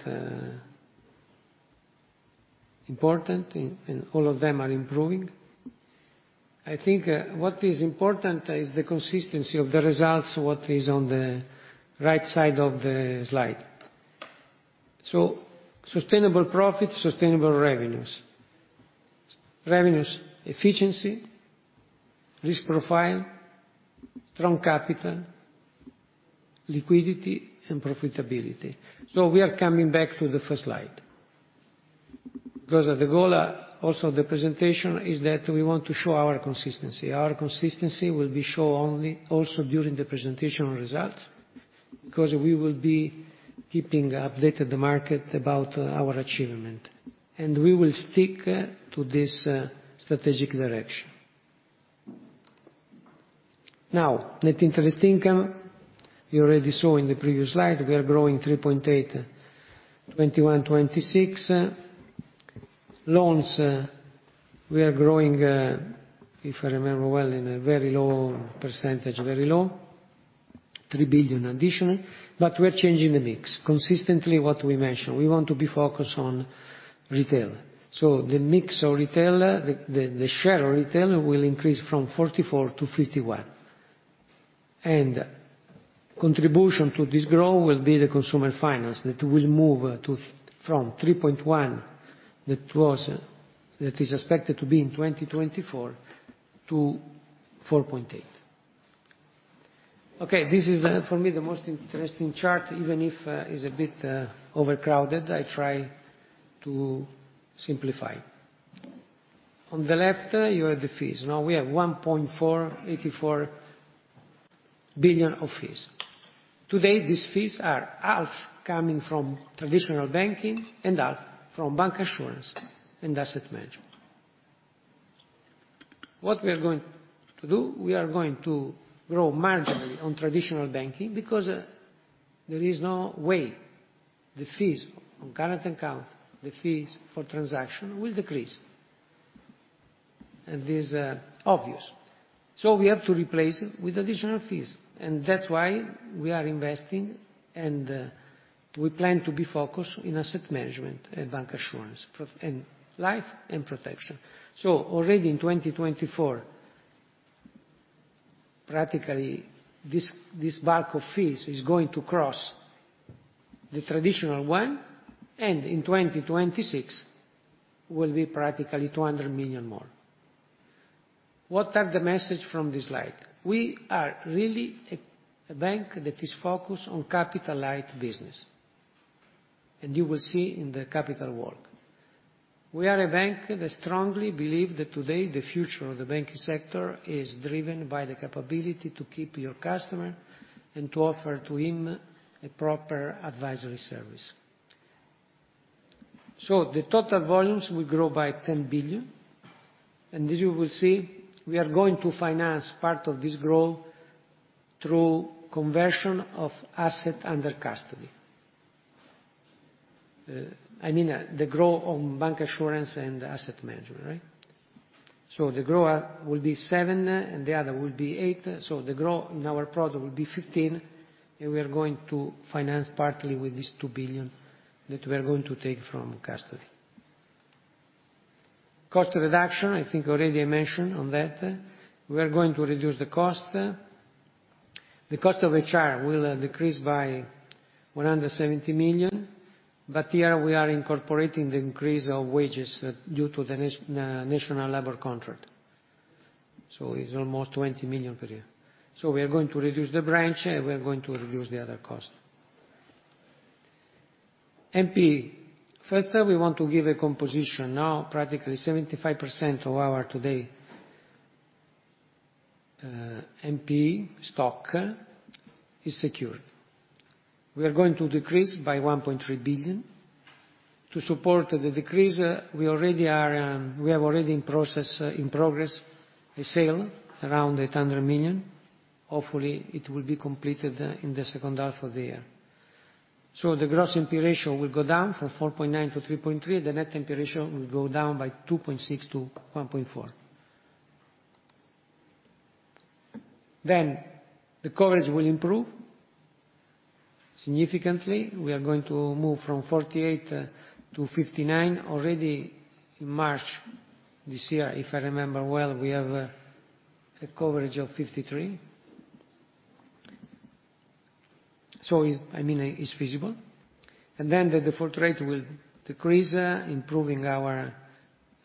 important and all of them are improving. I think what is important is the consistency of the results, what is on the right side of the slide. Sustainable profit, sustainable revenues. Revenues, efficiency, risk profile, strong capital, liquidity and profitability. We are coming back to the first slide because the goal also the presentation is that we want to show our consistency. Our consistency will be shown only also during the presentation results because we will be keeping updated the market about our achievement, and we will stick to this strategic direction. Net interest income, you already saw in the previous slide, we are growing 3.8, 21, 26. Loans, we are growing, if I remember well, in a very low percentage, very low, 3 billion additional. But we are changing the mix. Consistently what we mentioned, we want to be focused on retail. The mix of retail, the share of retail will increase from 44% to 51%. Contribution to this growth will be the consumer finance that will move from 3.1 that is expected to be in 2024 to 4.8. For me, the most interesting chart, even if it is a bit overcrowded, I try to simplify. On the left, you have the fees. Now we have 1.484 billion of fees. Today, these fees are half coming from traditional banking and half from bank assurance and asset management. What we are going to do, we are going to grow marginally on traditional banking because there is no way the fees on current account, the fees for transaction will decrease. This is obvious. We have to replace it with additional fees. That's why we are investing, and we plan to be focused in asset management and bank assurance and life and protection. Already in 2024, practically this bulk of fees is going to cross the traditional one, and in 2026 will be practically 200 million more. What are the message from this slide? We are really a bank that is focused on capital light business, and you will see in the capital work. We are a bank that strongly believe that today the future of the banking sector is driven by the capability to keep your customer and to offer to him a proper advisory service. The total volumes will grow by 10 billion. As you will see, we are going to finance part of this growth through conversion of asset under custody. I mean, the growth on bank assurance and asset management, right? The growth will be 7%, and the other will be 8%. The growth in our product will be 15%, and we are going to finance partly with this 2 billion that we are going to take from custody. Cost reduction, I think already I mentioned on that. We are going to reduce the cost. The cost of HR will decrease by 170 million, but here we are incorporating the increase of wages due to the national labor contract. It's almost 20 million per year. We are going to reduce the branch, and we are going to reduce the other cost. NP. First, we want to give a composition. Now, practically 75% of our today NP stock is secured. We are going to decrease by 1.3 billion. To support the decrease, we have already in progress a sale around 800 million. Hopefully, it will be completed in the second half of the year. The gross NP ratio will go down from 4.9%-3.3%. The net NP ratio will go down by 2.6% to 1.4%. The coverage will improve significantly. We are going to move from 48%-59%. Already in March this year, if I remember well, we have a coverage of 53%. I mean, it's feasible. The default rate will decrease,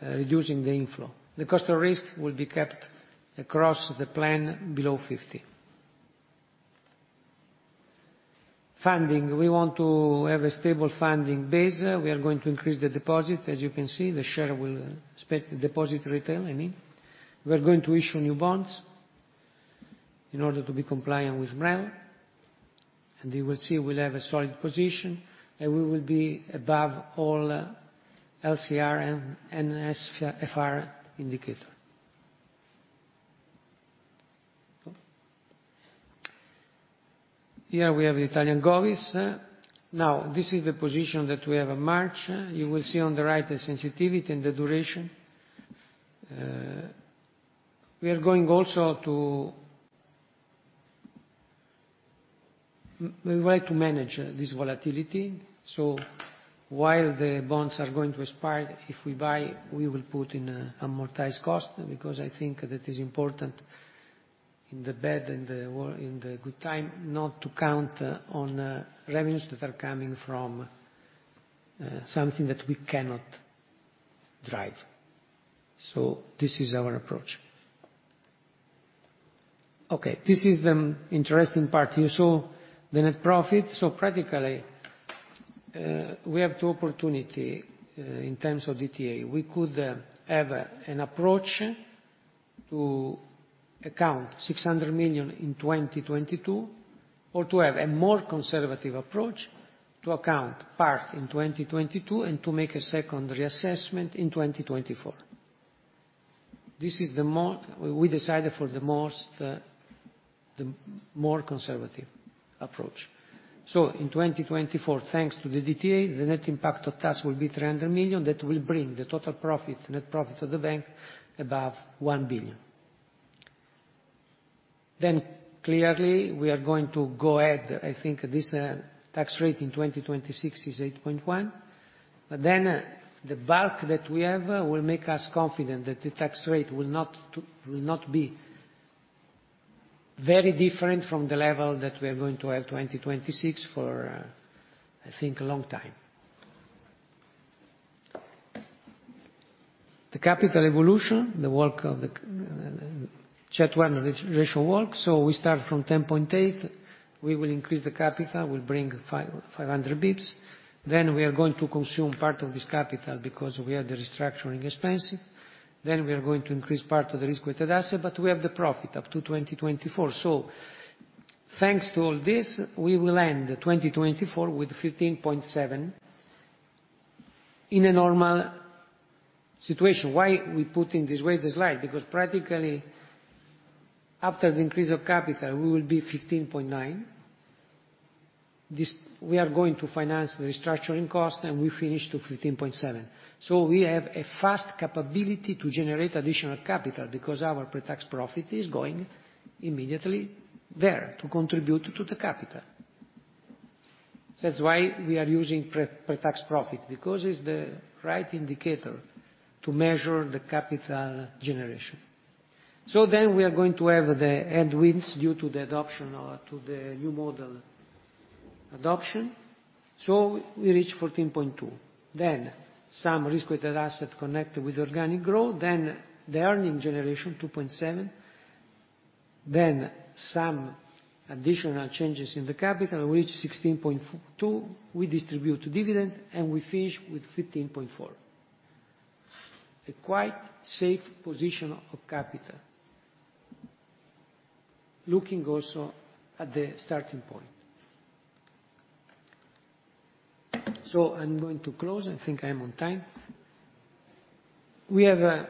reducing the inflow. The cost of risk will be kept across the plan below 50. Funding. We want to have a stable funding base. We are going to increase the deposit. As you can see, the share will deposit retail, I mean. We are going to issue new bonds in order to be compliant with MREL. You will see we'll have a solid position, and we will be above all LCR and NSFR indicator. Here we have Italian govies. Now, this is the position that we have in March. You will see on the right the sensitivity and the duration. We like to manage this volatility, so while the bonds are going to expire, if we buy, we will put in amortized cost because I think that is important in the bad and the good time not to count on revenues that are coming from something that we cannot drive. This is our approach. Okay, this is the interesting part here. The net profit. Practically, we have two opportunities in terms of DTA. We could have an approach to account 600 million in 2022, or to have a more conservative approach to account half in 2022 and to make a second reassessment in 2024. We decided for the more conservative approach. In 2024, thanks to the DTA, the net impact of tax will be 300 million. That will bring the total profit, net profit of the bank above 1 billion. Clearly, we are going to go ahead. I think this tax rate in 2026 is 8.1%. The bulk that we have will make us confident that the tax rate will not be very different from the level that we're going to have 2026 for, I think a long time. The capital evolution, the work of the CET1 ratio work. We start from 10.8%. We will increase the capital. We'll bring five hundred basis points. We are going to consume part of this capital because we had the restructuring expense. We are going to increase part of the risk-weighted asset, but we have the profit up to 2024. Thanks to all this, we will end 2024 with 15.7% in a normal situation. Why we put in this way the slide? Because practically, after the increase of capital, we will be 15.9%. This, we are going to finance the restructuring cost, and we finish to 15.7%. We have a fast capability to generate additional capital because our pretax profit is going immediately there to contribute to the capital. That's why we are using pre-tax profit, because it's the right indicator to measure the capital generation. We are going to have the headwinds due to the adoption or to the new model adoption. We reach 14.2%. Then some risk-weighted asset connected with organic growth. Then the earnings generation, 2.7%. Then some additional changes in the capital. We reach 16.2%. We distribute dividend, and we finish with 15.4%. A quite safe position of capital, looking also at the starting point. I'm going to close. I think I'm on time. We have a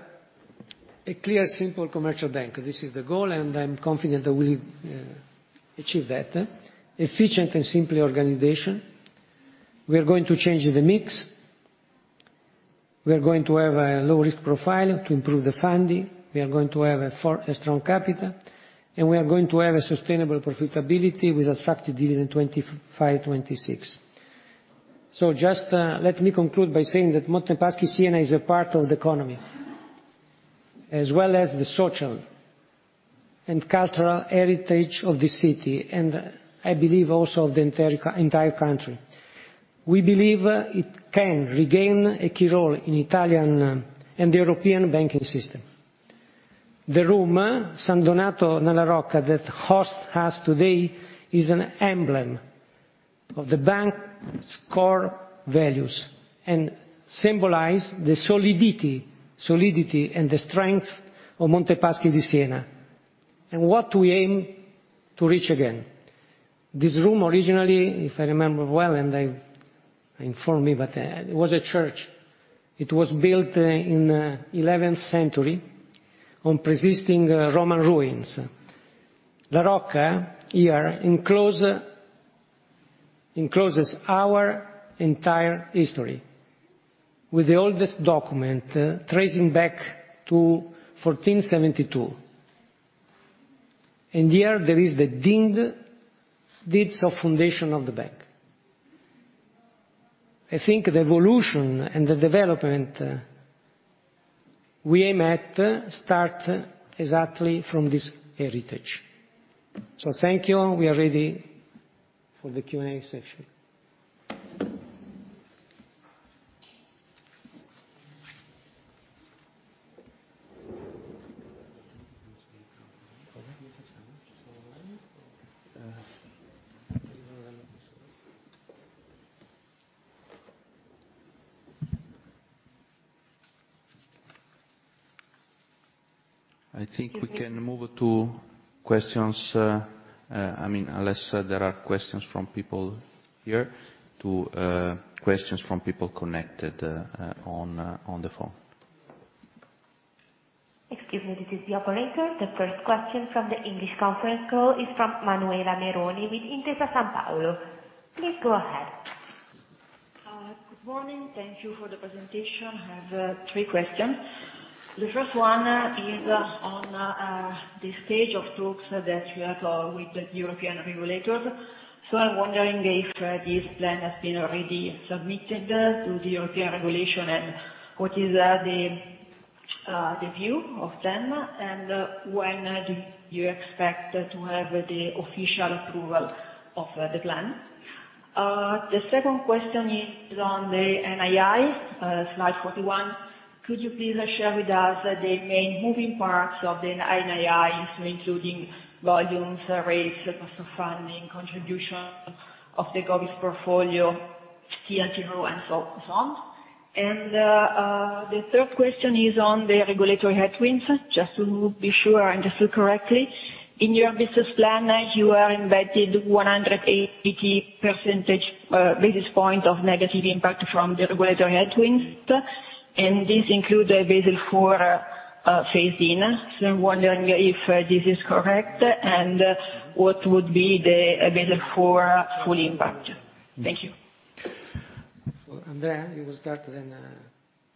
clear simple commercial bank. This is the goal, and I'm confident that we'll achieve that. Efficient and simple organization. We are going to change the mix. We are going to have a low-risk profile to improve the funding. We are going to have a strong capital, and we are going to have a sustainable profitability with attractive dividend 2025, 2026. Just let me conclude by saying that Monte dei Paschi di Siena is a part of the economy, as well as the social and cultural heritage of the city, and I believe also of the entire country. We believe it can regain a key role in Italian and the European banking system. The room, San Donato in Rocca, that hosts today is an emblem of the bank's core values and symbolize the solidity and the strength of Monte dei Paschi di Siena, and what we aim to reach again. This room originally, if I remember well, and I informed myself, it was a church. It was built in eleventh century on pre-existing Roman ruins. La Rocca here encloses our entire history, with the oldest document tracing back to 1472. In here, there is the deeds of foundation of the bank. I think the evolution and the development, we aim at start exactly from this heritage. Thank you. We are ready for the Q&A session. I think we can move to questions, I mean, unless there are questions from people here, questions from people connected on the phone. Excuse me. This is the operator. The first question from the English conference call is from Manuela Meroni with Intesa Sanpaolo. Please go ahead. Good morning. Thank you for the presentation. I have three questions. The first one is on the stage of talks that you have with the European regulators. I'm wondering if this plan has been already submitted to the European regulators and what is the view of them, and when do you expect to have the official approval of the plan? The second question is on the NII, slide 41. Could you please share with us the main moving parts of the NII, including volumes, rates, cost of funding, contribution of the govies portfolio, TLTRO, and so on? The third question is on the regulatory headwinds, just to be sure I understood correctly. In your business plan, you have embedded 180 basis points of negative impact from the regulatory headwinds, and this include a Basel IV phase-in. I'm wondering if this is correct and what would be the Basel IV full impact. Thank you. Well Andrea you will start, then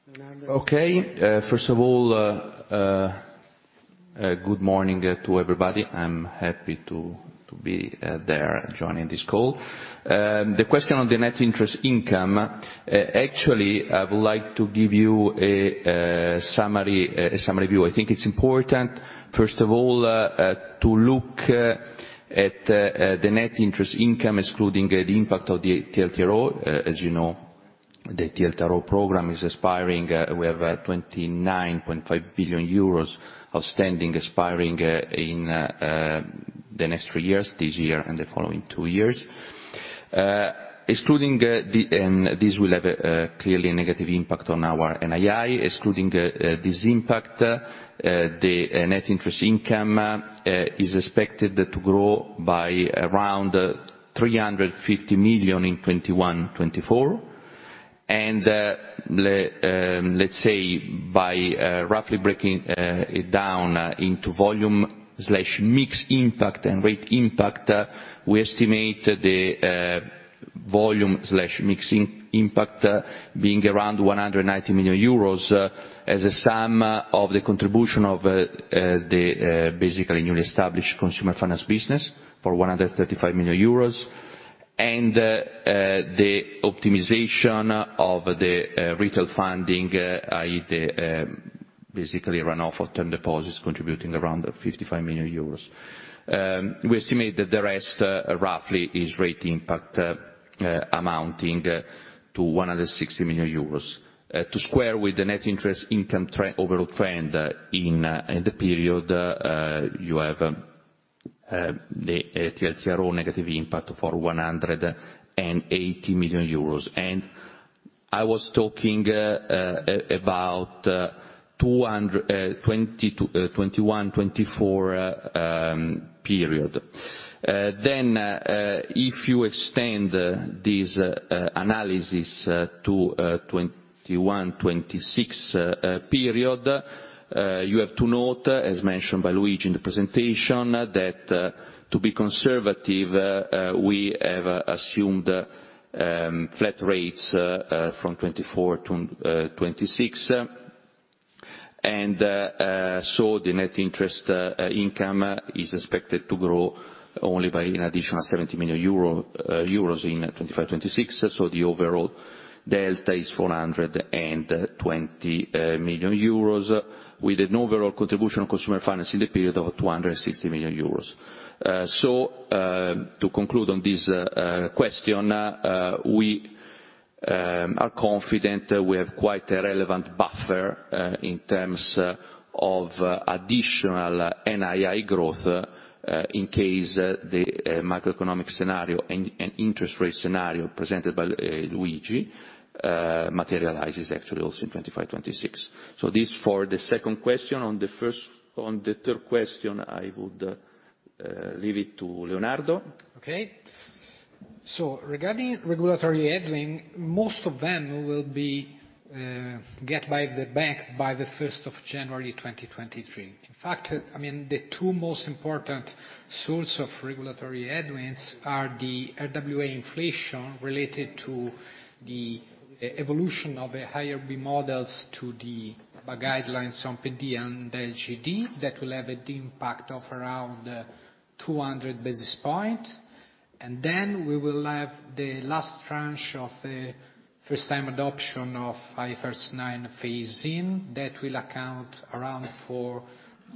Leonardo. Okay. First of all, good morning to everybody. I'm happy to be there joining this call. The question on the net interest income, actually, I would like to give you a summary view. I think it's important, first of all, to look at the net interest income, excluding the impact of the TLTRO. As you know, the TLTRO program is expiring. We have 29.5 billion euros outstanding, expiring in the next three years, this year and the following two years. Excluding this impact, the net interest income is expected to grow by around 350 million in 2021-2024. Let's say by roughly breaking it down into volume slash mix impact and rate impact, we estimate the volume slash mix impact being around 190 million euros, as a sum of the contribution of the basically newly established consumer finance business for 135 million euros and the optimization of the retail funding, i.e., the basically runoff of term deposits contributing around 55 million euros. We estimate that the rest roughly is rate impact amounting to 160 million euros. To square with the net interest income trend, overall trend in the period, you have the TLTRO negative impact for 180 million euros. I was talking about 2020 to 2021-2024 period. If you extend this analysis to 2021-2026 period, you have to note, as mentioned by Luigi in the presentation, that to be conservative, we have assumed flat rates from 2024 to 2026. The net interest income is expected to grow only by an additional 70 million euro in 2025-2026. The overall delta is 420 million euros with an overall contribution of consumer finance in the period of 260 million euros. To conclude on this question, we are confident we have quite a relevant buffer in terms of additional NII growth in case the macroeconomic scenario and interest rate scenario presented by Luigi materializes actually also in 2025, 2026. This for the second question. On the third question, I would leave it to Leonardo. Regarding regulatory headwind, most of them will be met by the bank by January 1, 2023. In fact, I mean, the two most important source of regulatory headwinds are the RWA inflation related to the evolution of IRB models to the guidelines on PD and LGD that will have the impact of around 200 basis points. We will have the last tranche of the first time adoption of IFRS 9 phase in that will account for around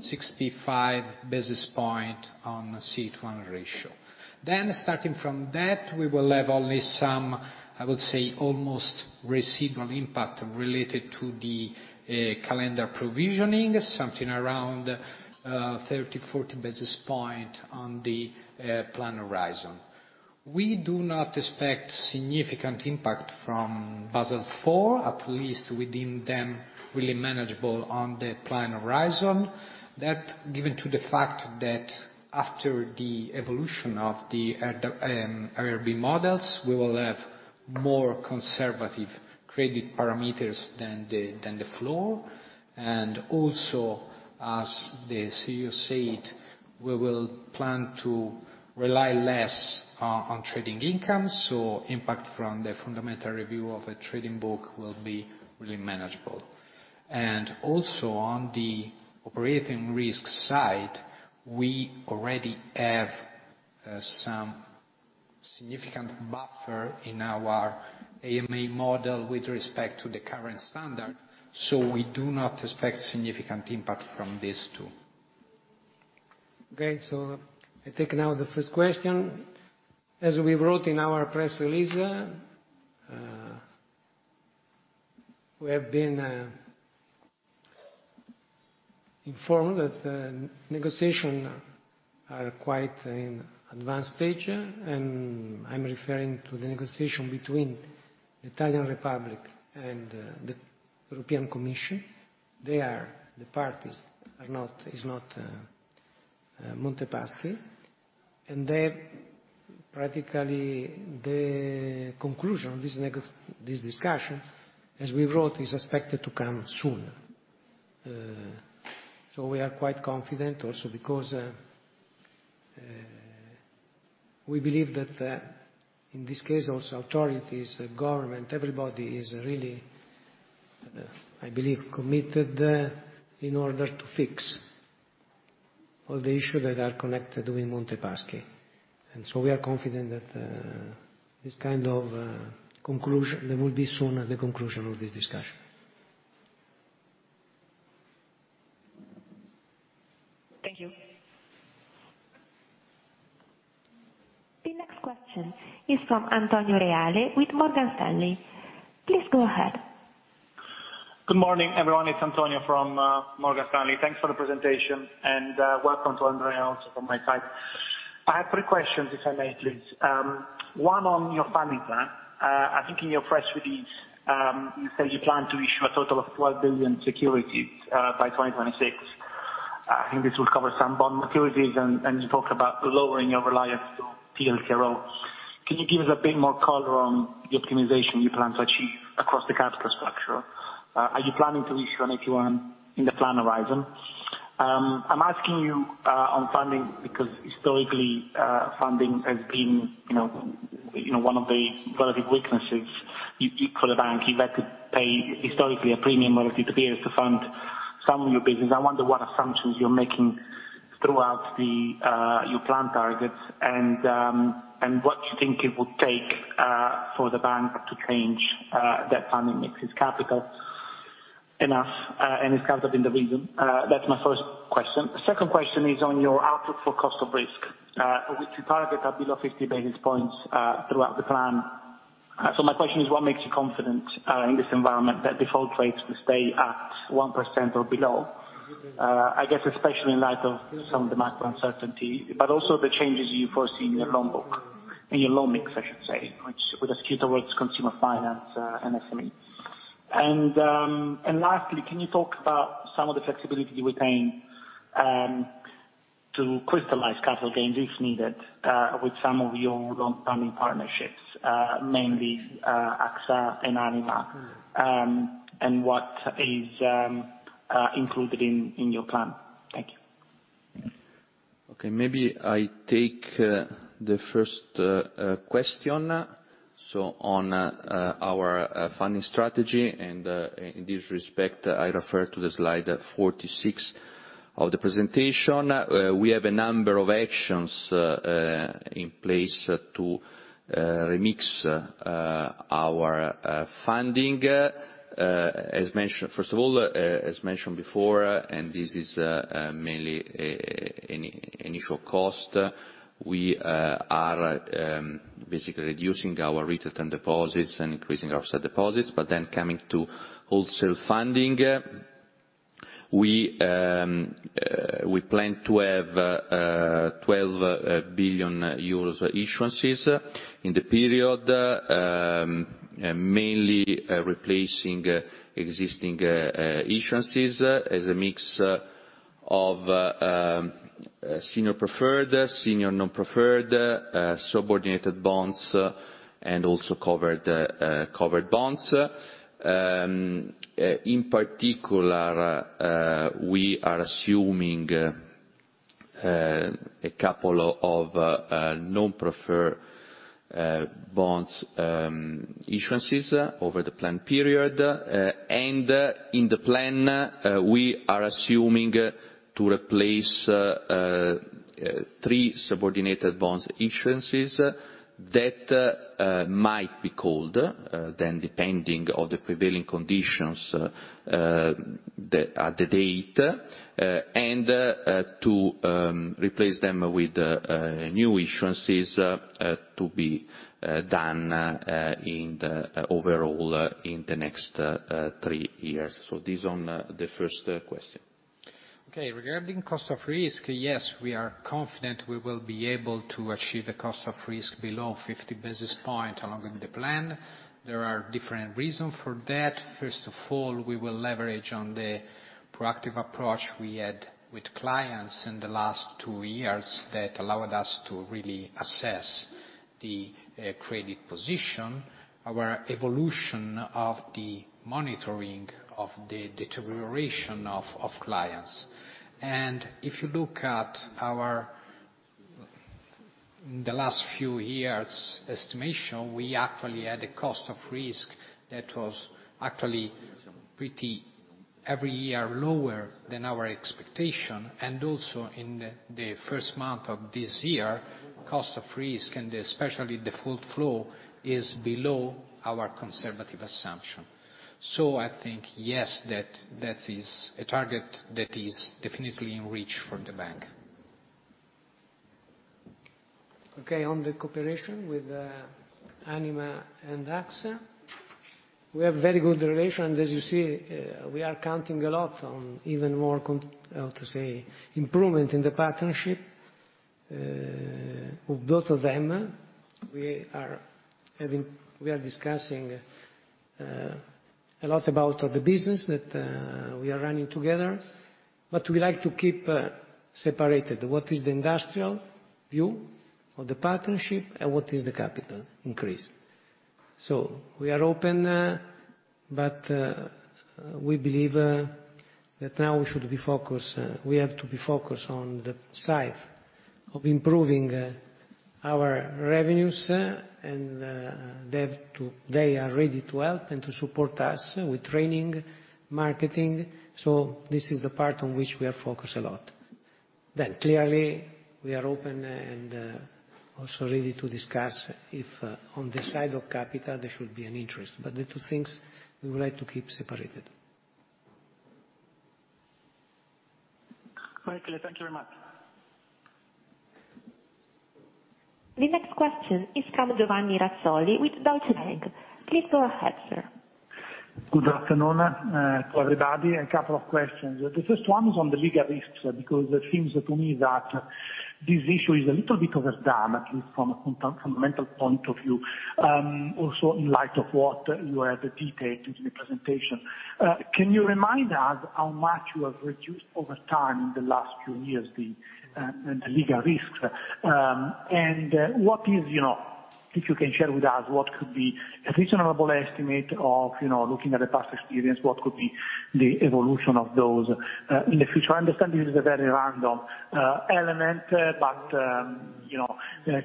65 basis points on CET1 ratio. Starting from that, we will have only some, I would say, almost residual impact related to the calendar provisioning, something around 30-40 basis points on the plan horizon. We do not expect significant impact from Basel IV, at least within the really manageable on the plan horizon. Given that after the evolution of the IRB models, we will have more conservative credit parameters than the floor. Also, as the CEO said, we will plan to rely less on trading income, so impact from the fundamental review of a trading book will be really manageable. Also on the operating risk side, we already have some significant buffer in our AMA model with respect to the current standard, so we do not expect significant impact from this too. Okay. I take now the first question. As we wrote in our press release, we have been informed that negotiations are quite in an advanced stage, and I'm referring to the negotiations between the Italian Republic and the European Commission. They are the parties. It is not Monte Paschi. We are practically at the conclusion of this discussion, as we wrote, is expected to come soon. We are quite confident also because we believe that in this case also, authorities, the government, everybody is really, I believe, committed in order to fix all the issues that are connected with Monte Paschi. We are confident that this kind of conclusion there will be soon at the conclusion of this discussion. Thank you. The next question is from Antonio Reale with Morgan Stanley. Please go ahead. Good morning everyone It's Antonio from Morgan Stanley. Thanks for the presentation and welcome to Andrea also from my side. I have 3 questions if I may please. One on your funding plan. I think in your press release, you said you plan to issue a total of 12 billion securities by 2026. I think this will cover some bond securities and you talked about lowering your reliance to TLTRO. Can you give us a bit more color on the optimization you plan to achieve across the capital structure? Are you planning to issue an AT1 in the plan horizon? I'm asking you on funding because historically, funding has been, you know, one of the relative weaknesses you call a bank. You've had to pay historically a premium over the years to fund some of your business. I wonder what assumptions you're making throughout your plan targets and what you think it would take for the bank to change that funding mix. Is capital enough, and is capital the reason? That's my first question. Second question is on your outlook for cost of risk, which you target at below 50 basis points, throughout the plan. My question is, what makes you confident in this environment that default rates will stay at 1% or below? I guess especially in light of some of the macro uncertainty, but also the changes you foresee in your loan book, in your loan mix, I should say, which would skew towards consumer finance and SME. Lastly, can you talk about some of the flexibility you retain to crystallize capital gains if needed, with some of your loan funding partnerships, mainly AXA and Anima, and what is included in your plan? Thank you. Okay. Maybe I take the first question. On our funding strategy, and in this respect, I refer to the slide 46 of the presentation. We have a number of actions in place to remix our funding. As mentioned, first of all, as mentioned before, and this is mainly initial cost, we are basically reducing our retail term deposits and increasing our sight deposits. Coming to wholesale funding, we plan to have 12 billion issuances in the period, mainly replacing existing issuances as a mix of senior preferred, senior non-preferred, subordinated bonds, and also covered bonds. In particular, we are assuming a couple of non-preferred bond issuances over the plan period. In the plan, we are assuming to replace three subordinated bond issuances that might be called then depending on the prevailing conditions at the date, and to replace them with new issuances to be done overall in the next three years. This on the first question. Okay. Regarding cost of risk, yes, we are confident we will be able to achieve the cost of risk below 50 basis points along with the plan. There are different reasons for that. First of all, we will leverage on the proactive approach we had with clients in the last two years that allowed us to really assess the credit position, our evolution of the monitoring of the deterioration of clients. If you look at the last few years estimates, we actually had a cost of risk that was actually pretty every year lower than our expectation. Also in the first month of this year, cost of risk and especially the inflows is below our conservative assumption. I think, yes, that is a target that is definitely in reach for the bank. Okay. On the cooperation with Anima and AXA, we have very good relations. As you see, we are counting a lot on even more improvement in the partnership with both of them. We are discussing a lot about the business that we are running together, but we like to keep separated what is the industrial view of the partnership and what is the capital increase. We are open, but we believe that now we have to be focused on the side of improving our revenues, and they are ready to help and to support us with training, marketing. This is the part on which we are focused a lot. Clearly we are open and also ready to discuss if, on the side of capital there should be an interest. The two things we would like to keep separated. Michael thank you very much. The next question is from Giovanni Razzoli with Deutsche Bank. Please go ahead, sir. Good afternoon to everybody. A couple of questions. The first one is on the legal risks, because it seems to me that this issue is a little bit overdone, at least from a fundamental point of view, also in light of what you have detailed in the presentation. Can you remind us how much you have reduced over time in the last few years, the legal risks? And what is, you know, if you can share with us what could be a reasonable estimate of, you know, looking at the past experience, what could be the evolution of those in the future? I understand this is a very random element, but, you know,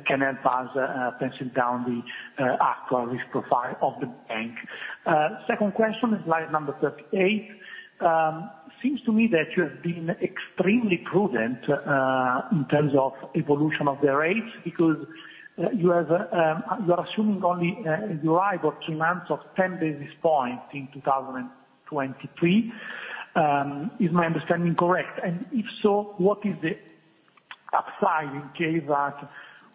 can help us pin down the actual risk profile of the bank. Second question is slide number 38. Seems to me that you have been extremely prudent in terms of evolution of the rates because you are assuming only in your FY about two months of 10 basis points in 2023. Is my understanding correct? If so, what is the upside in case that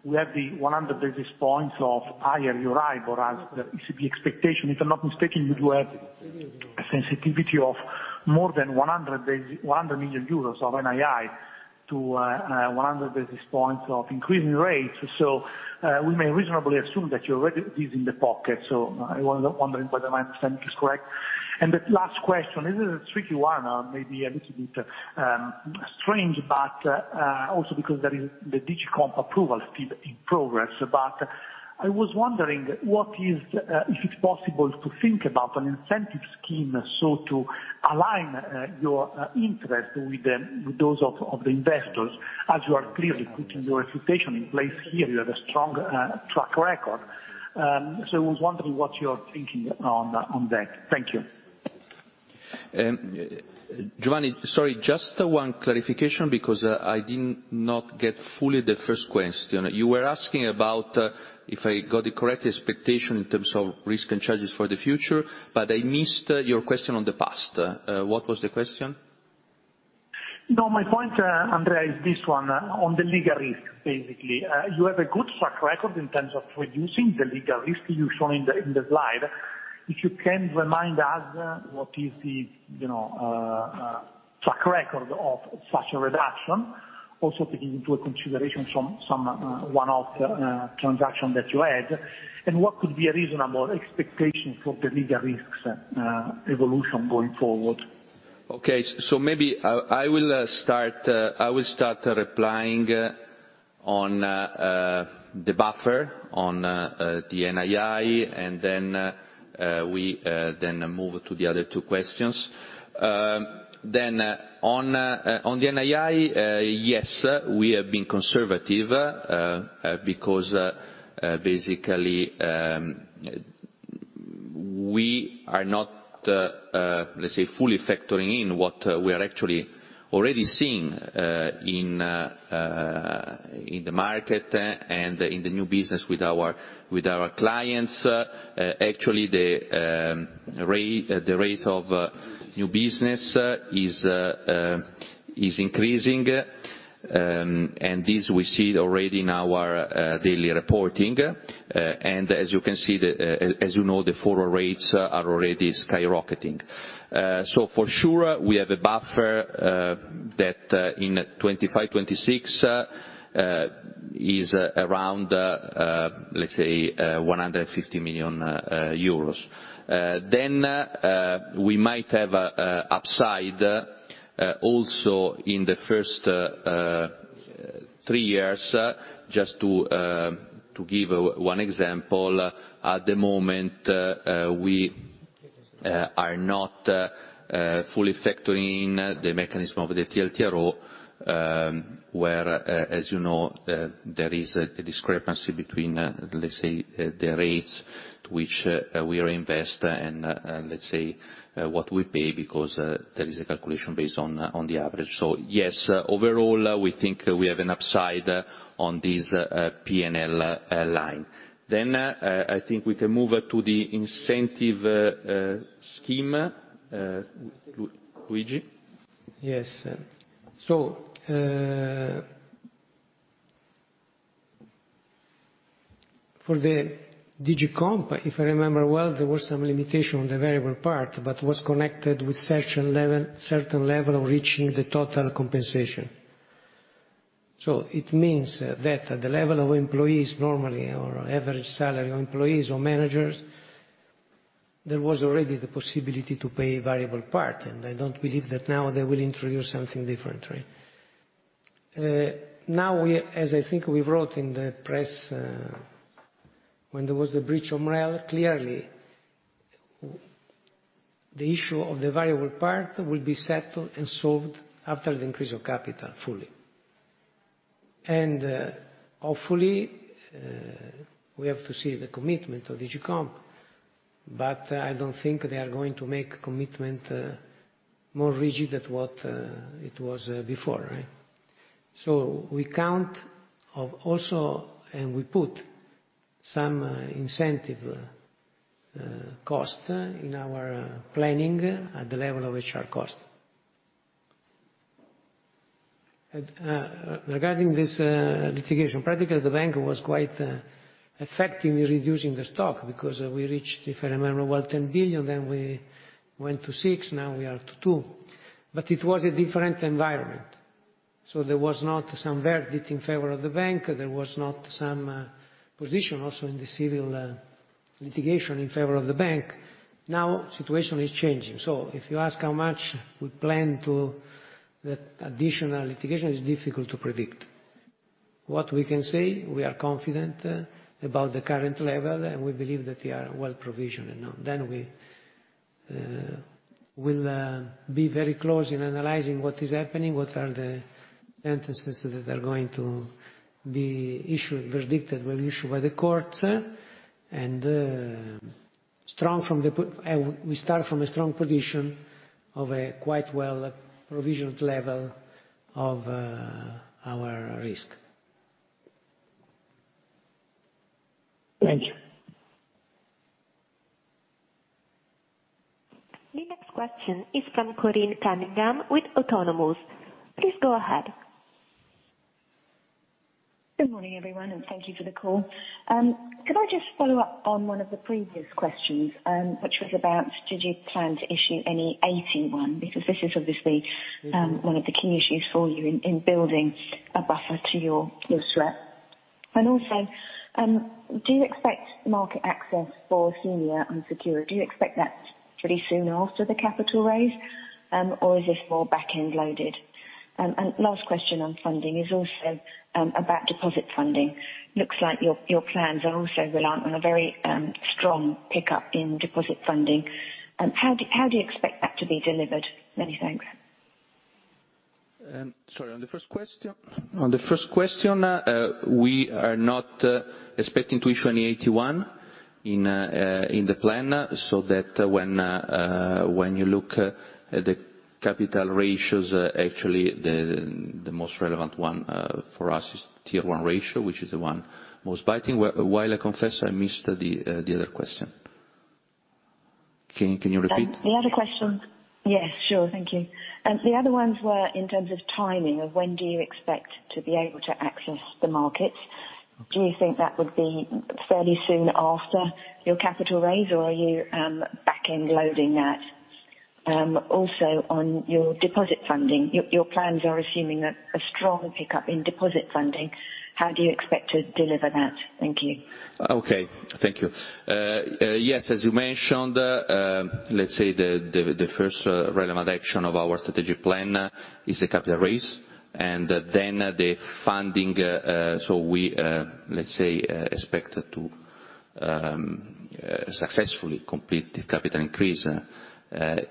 we have the 100 basis points of higher Euribor as the ECB expectation? If I'm not mistaken, you do have a sensitivity of more than 100 million euros of NII to 100 basis points of increasing rates. We may reasonably assume that you're already these in the pocket, so I'm wondering whether my understanding is correct. The last question, this is a tricky one, maybe a little bit strange, but also because there is the DG comp approval still in progress. I was wondering what is, if it's possible to think about an incentive scheme, so to align your interest with the, with those of the investors, as you are clearly putting your reputation in place here, you have a strong track record. I was wondering what you're thinking on that. Thank you. Giovanni, sorry, just one clarification because I did not get fully the first question. You were asking about, if I got the correct expectation in terms of risk and charges for the future, but I missed your question on the past. What was the question? No, my point, Andrea, is this one on the legal risk, basically. You have a good track record in terms of reducing the legal risk you've shown in the slide. If you can remind us what is the track record of such a reduction, also taking into consideration some one-off transaction that you had, and what could be a reasonable expectation for the legal risks evolution going forward. Okay. Maybe I will start replying on the buffer on the NII and then we move to the other two questions. On the NII, yes, we have been conservative because basically we are not let's say, fully factoring in what we are actually already seeing in the market and in the new business with our clients. Actually, the rate of new business is increasing. This we see already in our daily reporting. As you know, the forward rates are already skyrocketing. For sure, we have a buffer that in 2025, 2026 is around, let's say, 150 million euros. We might have a upside also in the first three years. Just to give one example, at the moment, we are not fully factoring the mechanism of the TLTRO, where, as you know, there is a discrepancy between, let's say, the rates to which we reinvest and, let's say, what we pay because there is a calculation based on the average. Yes, overall, we think we have an upside on this P&L line. I think we can move to the incentive scheme. Luigi. Yes. For the DG COMP, if I remember well, there was some limitation on the variable part, but was connected with certain level of reaching the total compensation. It means that at the level of employees normally or average salary or employees or managers, there was already the possibility to pay variable part, and I don't believe that now they will introduce something differently. As I think we wrote in the press, when there was the breach of model, clearly the issue of the variable part will be settled and solved after the increase of capital fully. Hopefully, we have to see the commitment of DG COMP, but I don't think they are going to make commitment more rigid at what it was before, right? We count on also, and we put some incentive cost in our planning at the level of HR cost. Regarding this litigation, practically, the bank was quite effectively reducing the stock because we reached, if I remember well, 10 billion, then we went to 6 billion, now we are at 2 billion. It was a different environment, so there was not some verdict in favor of the bank. There was not some position also in the civil litigation in favor of the bank. Now, situation is changing. If you ask how much we plan to, the additional litigation is difficult to predict. What we can say, we are confident about the current level, and we believe that we are well-provisioned enough. We will be very close in analyzing what is happening, what are the sentences that are going to be issued, predicted, will be issued by the court. We start from a strong position of a quite well-provisioned level of our risk. Thank you. The next question is from Corinne Cunningham with Autonomous. Please go ahead. Good morning everyone and thank you for the call. Could I just follow up on one of the previous questions, which was about did you plan to issue any AT1 because this is obviously one of the key issues for you in building a buffer to your SREP. Also, do you expect market access for senior unsecured? Do you expect that pretty soon after the capital raise, or is this more back-end loaded? Last question on funding is also about deposit funding. Looks like your plans are also reliant on a very strong pickup in deposit funding. How do you expect that to be delivered? Many thanks. Sorry. On the first question, we are not expecting to issue any AT1 in the plan, so that when you look at the capital ratios, actually the most relevant one for us is Tier 1 ratio, which is the one most binding. While I confess I missed the other question. Can you repeat? The other question. Yes sure. Thank you. The other ones were in terms of timing, of when do you expect to be able to access the markets? Do you think that would be fairly soon after your capital raise, or are you back-end loading that? Also, on your deposit funding, your plans are assuming a strong pickup in deposit funding. How do you expect to deliver that? Thank you. Okay. Thank you. Yes as you mentioned, let's say the first relevant action of our strategic plan is the capital raise and then the funding. We expect to successfully complete the capital increase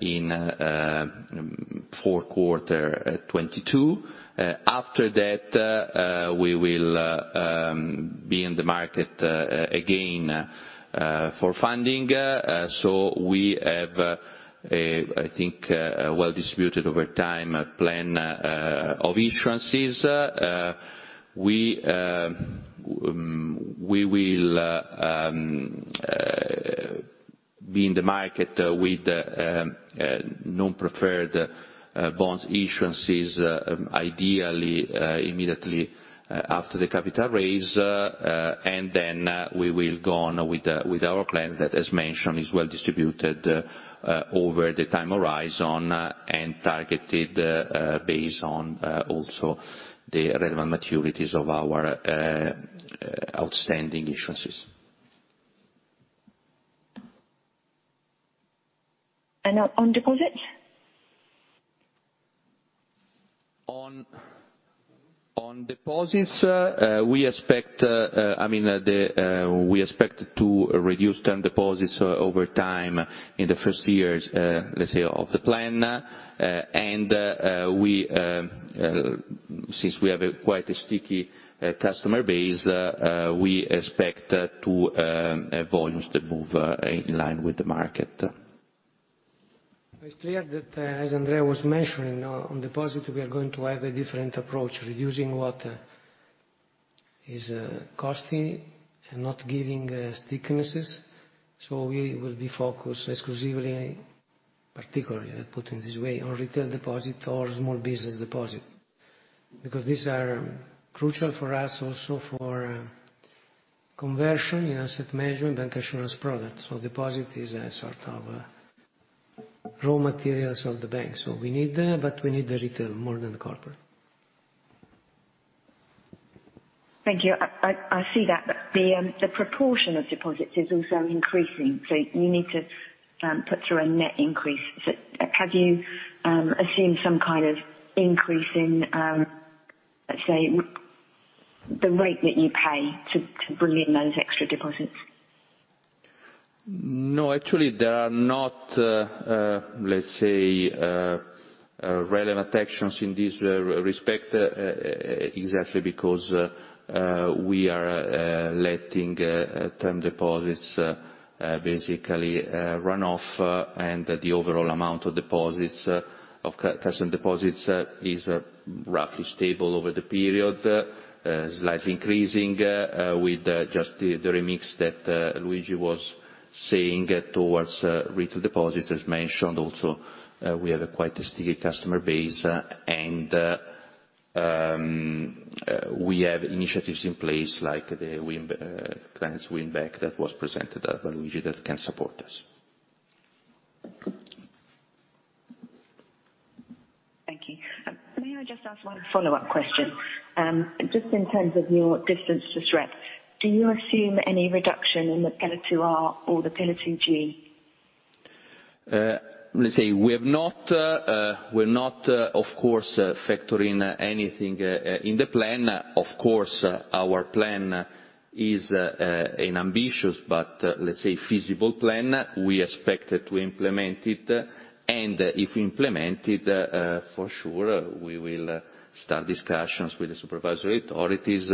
in fourth quarter 2022. After that, we will be in the market again for funding. We have, I think, a well-distributed over time plan of issuances. We will be in the market with non-preferred bonds issuances, ideally immediately after the capital raise, and then we will go on with our plan that as mentioned is well distributed over the time horizon and targeted based on also the relevant maturities of our outstanding issuances. On deposits? On deposits, we expect, I mean, to reduce term deposits over time in the first years, let's say, of the plan. Since we have quite a sticky customer base, we expect volumes to move in line with the market. It's clear that as Andrea was mentioning, on deposit, we are going to have a different approach, reducing what is costing and not giving stickiness. We will be focused exclusively, particularly, put in this way, on retail deposit or small business deposit. Because these are crucial for us also for conversion in asset management bank insurance products. Deposit is a sort of raw materials of the bank, so we need that, but we need the retail more than the corporate. Thank you. I see that, but the proportion of deposits is also increasing, so you need to put through a net increase. Have you assumed some kind of increase in, let's say, the rate that you pay to bring in those extra deposits? No actually, there are not, let's say, relevant actions in this respect, exactly because we are letting term deposits basically run off, and the overall amount of deposits, of customer deposits is roughly stable over the period. Slightly increasing, with just the remix that Luigi was saying towards retail deposits. As mentioned also, we have a quite sticky customer base, and we have initiatives in place like the clients win back that was presented by Luigi that can support us. Thank you. May I just ask one follow-up question? Just in terms of your distance to SREP, do you assume any reduction in the Pillar 2 Requirement or the Pillar 2 Guidance? Let's say we're not, of course, factoring anything in the plan. Of course, our plan is an ambitious but let's say feasible plan. We expect to implement it, and if implemented, for sure, we will start discussions with the supervisory authorities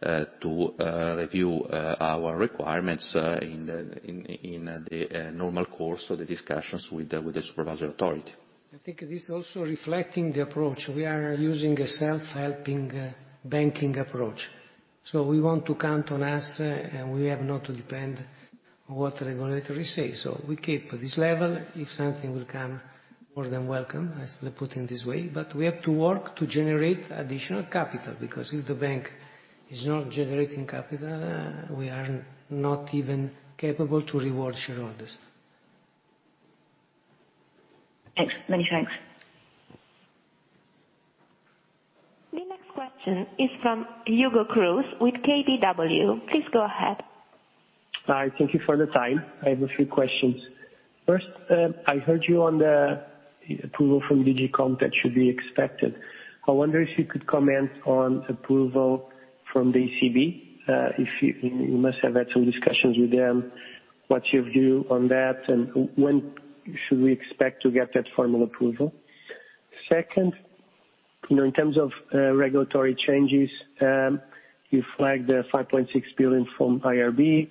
to review our requirements in the normal course of the discussions with the supervisory authority. I think this is also reflecting the approach. We are using a self-help banking approach, so we want to count on us, and we have not to depend what regulators say. We keep this level. If something will come, more than welcome, let's put it this way, but we have to work to generate additional capital, because if the bank is not generating capital, we are not even capable to reward shareholders. Thanks many thanks. The next question is from Hugo Cruz with KBW. Please go ahead. Hi thank you for the time. I have a few questions. First, I heard you on the approval from DG COMP that should be expected. I wonder if you could comment on approval from the ECB, if you must have had some discussions with them, what's your view on that, and when should we expect to get that formal approval? Second, you know, in terms of regulatory changes, you flagged the 5.6 billion from IRB,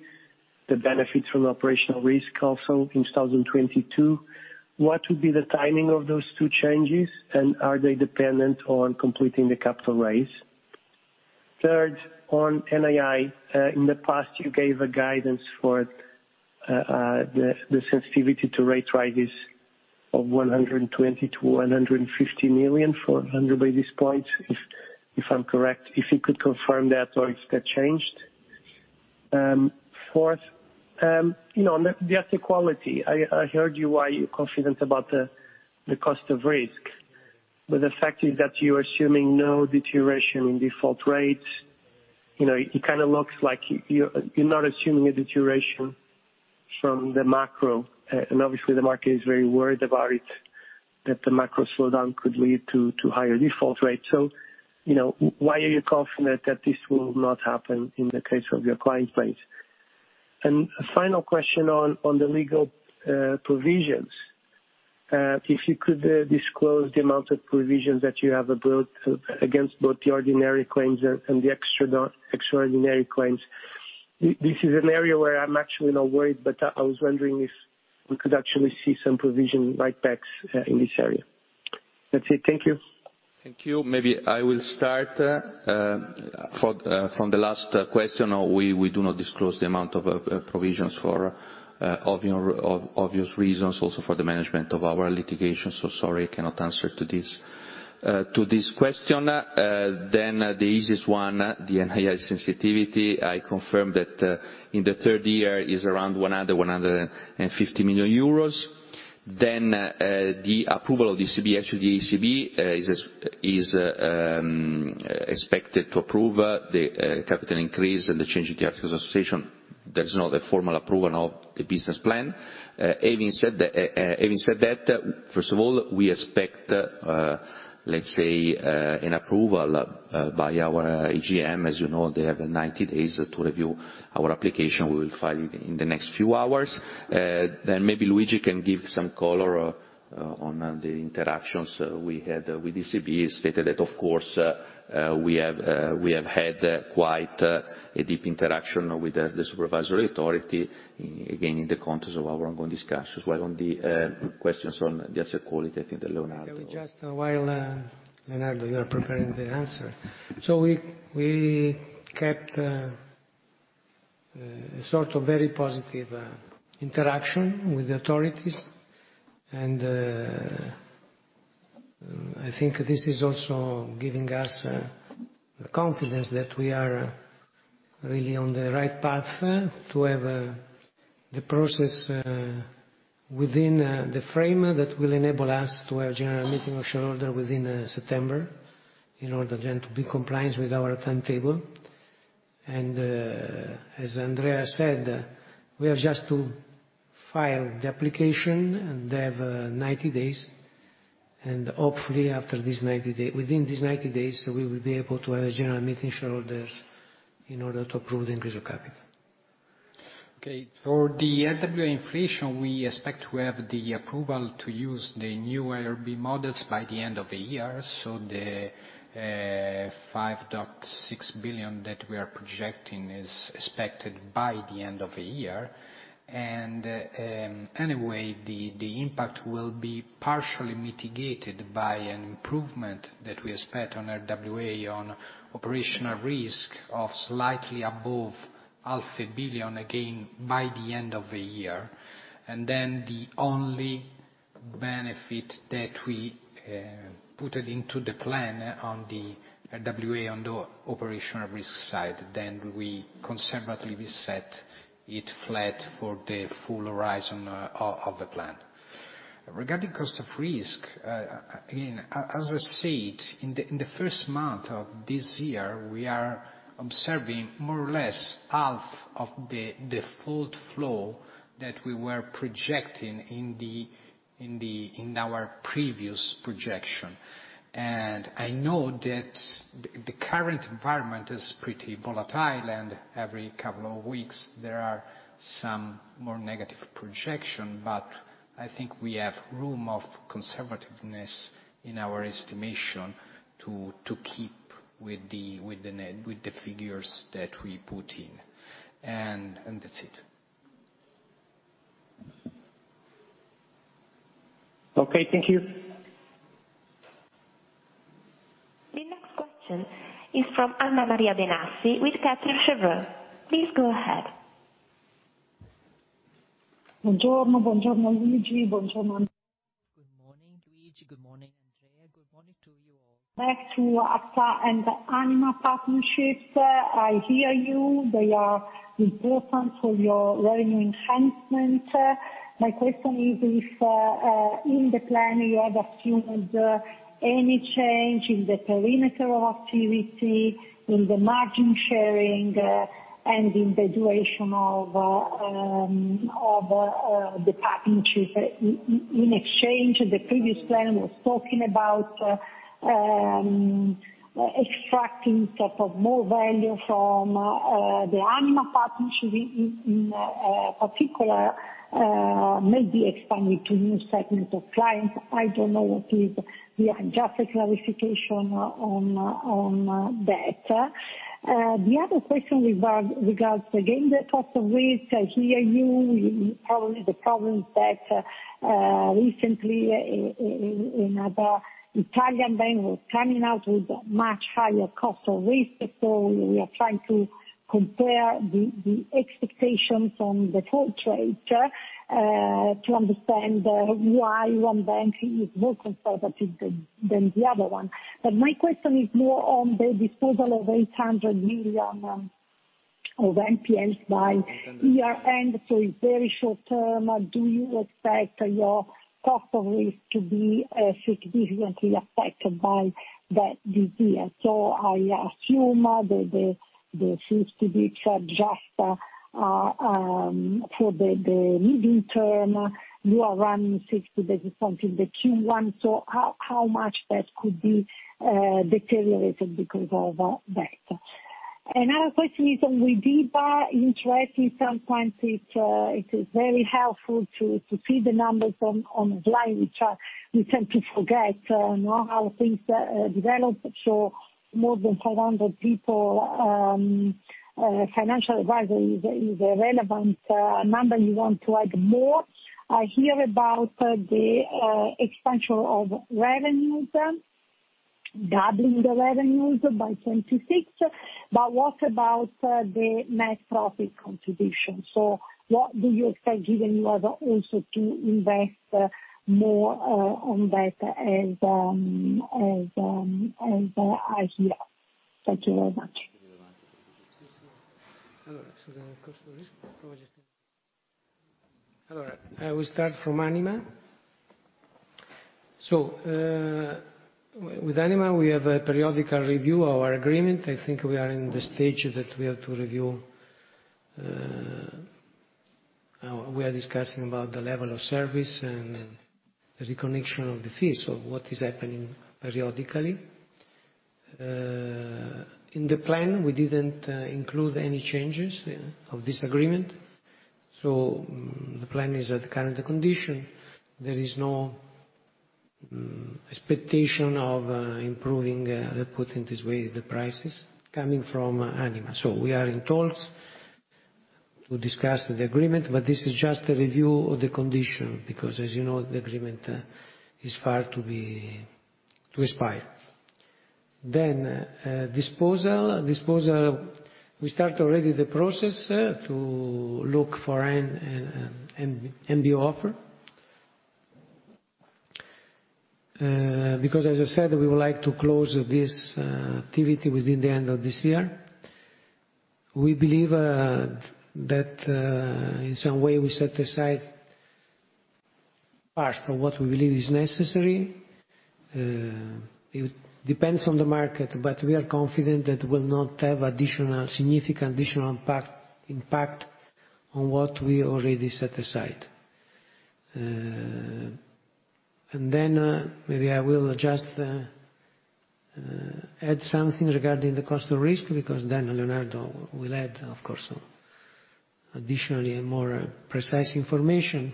the benefits from operational risk also in 2022. What would be the timing of those two changes, and are they dependent on completing the capital raise? Third, on NII, in the past you gave a guidance for the sensitivity to rate rises of 120 million-150 million for 100 basis points, if I'm correct. If you could confirm that or if that changed. Fourth, you know, on the asset quality, I heard you are confident about the cost of risk. But the fact is that you're assuming no deterioration in default rates. You know, it kind of looks like you're not assuming a deterioration from the macro, and obviously the market is very worried about it, that the macro slowdown could lead to higher default rates. You know, why are you confident that this will not happen in the case of your client base? A final question on the legal provisions. If you could disclose the amount of provisions that you have built against both the ordinary claims and the extraordinary claims. This is an area where I'm actually not worried, but I was wondering if we could actually see some provision write-backs in this area that's it. Thank you. Thank you. Maybe I will start from the last question. We do not disclose the amount of provisions for obvious reasons, also for the management of our litigation, so sorry, cannot answer to this question. The easiest one, the NII sensitivity, I confirm that in the third year is around 150 million euros. The approval of the ECB, actually the ECB is expected to approve the capital increase and the change in the articles of association. There is not a formal approval of the business plan. Having said that, first of all, we expect, let's say, an approval by our AGM. As you know, they have 90 days to review our application. We will file it in the next few hours. Maybe Luigi can give some color on the interactions we had with the ECB. Stated that, of course, we have had quite a deep interaction with the supervisory authority, again, in the context of our ongoing discussions. While on the questions on the asset quality, I think that Leonardo. Just a while, Leonardo, you are preparing the answer. We kept sort of very positive interaction with the authorities. I think this is also giving us the confidence that we are really on the right path to have the process within the timeframe that will enable us to have general meeting of shareholders within September in order then to be compliance with our timetable. As Andrea said, we have just to file the application, and they have 90 days. Hopefully within these 90 days, we will be able to have a general meeting shareholders in order to approve the increase of capital. Okay. For the RWA inflation, we expect to have the approval to use the new IRB models by the end of the year. The 5.6 billion that we are projecting is expected by the end of the year. Anyway, the impact will be partially mitigated by an improvement that we expect on RWA on operational risk of slightly above half a billion EUR again by the end of the year. The only benefit that we put it into the plan on the RWA on the operational risk side, we conservatively set it flat for the full horizon of the plan. Regarding cost of risk, again, as I said, in the first month of this year, we are observing more or less half of the full flow that we were projecting in our previous projection. I know that the current environment is pretty volatile, and every couple of weeks there are some more negative projection, but I think we have room for conservatism in our estimation to keep with the figures that we put in. That's it. Okay thank you. The next question is from Anna Maria Benassi with Kepler Cheuvreux. Please go ahead. Buongiorno, Luigi, buongiorno Andrea. Good morning Luigi, good morning Andrea and good morning to you all. Back to AXA and Anima partnerships, I hear you, they are important for your revenue enhancement. My question is if in the plan you have assumed any change in the perimeter of activity, in the margin sharing, and in the duration of the partnerships. In exchange, the previous plan was talking about extracting more value from the Anima partnership, in particular, maybe expanding to new segments of clients. Just a clarification on that. The other question regards again the cost of risk. I hear you, probably the problems that recently in the Italian bank was coming out with much higher cost of risk. We are trying to compare the expectations on the whole trade to understand why one bank is more conservative than the other one. My question is more on the disposal of 800 million of NPLs by year-end, so it's very short term. Do you expect your cost of risk to be significantly affected by that this year? I assume that the 50 basis points are just for the medium term. You are running 60 basis points in the Q1, so how much that could be deteriorated because of that? Another question is on Widiba interest. Sometimes it is very helpful to see the numbers on the line, which we tend to forget how things develop. More than 500 people, financial advisory is a relevant number you want to add more. I hear about the expansion of revenues. Doubling the revenues by 2026. What about the net profit contribution? What do you expect, given you are also to invest more on that as I hear? Thank you very much. The cost of risk. I will start from Anima. With Anima, we have a periodical review of our agreement. I think we are in the stage that we have to review. We are discussing the level of service and the renegotiation of the fees. What is happening periodically. In the plan, we didn't include any changes, yeah, of this agreement. The plan is at the current condition. There is no expectation of improving, let's put it this way, the prices coming from Anima. We are in talks to discuss the agreement, but this is just a review of the condition because as you know, the agreement is far from expiring. Disposal. We have already started the process to look for an NBO offer. Because as I said, we would like to close this activity within the end of this year. We believe that in some way we set aside part of what we believe is necessary. It depends on the market, but we are confident that we'll not have additional significant impact on what we already set aside. Maybe I will just add something regarding the cost of risk, because then Leonardo will add, of course, additionally more precise information.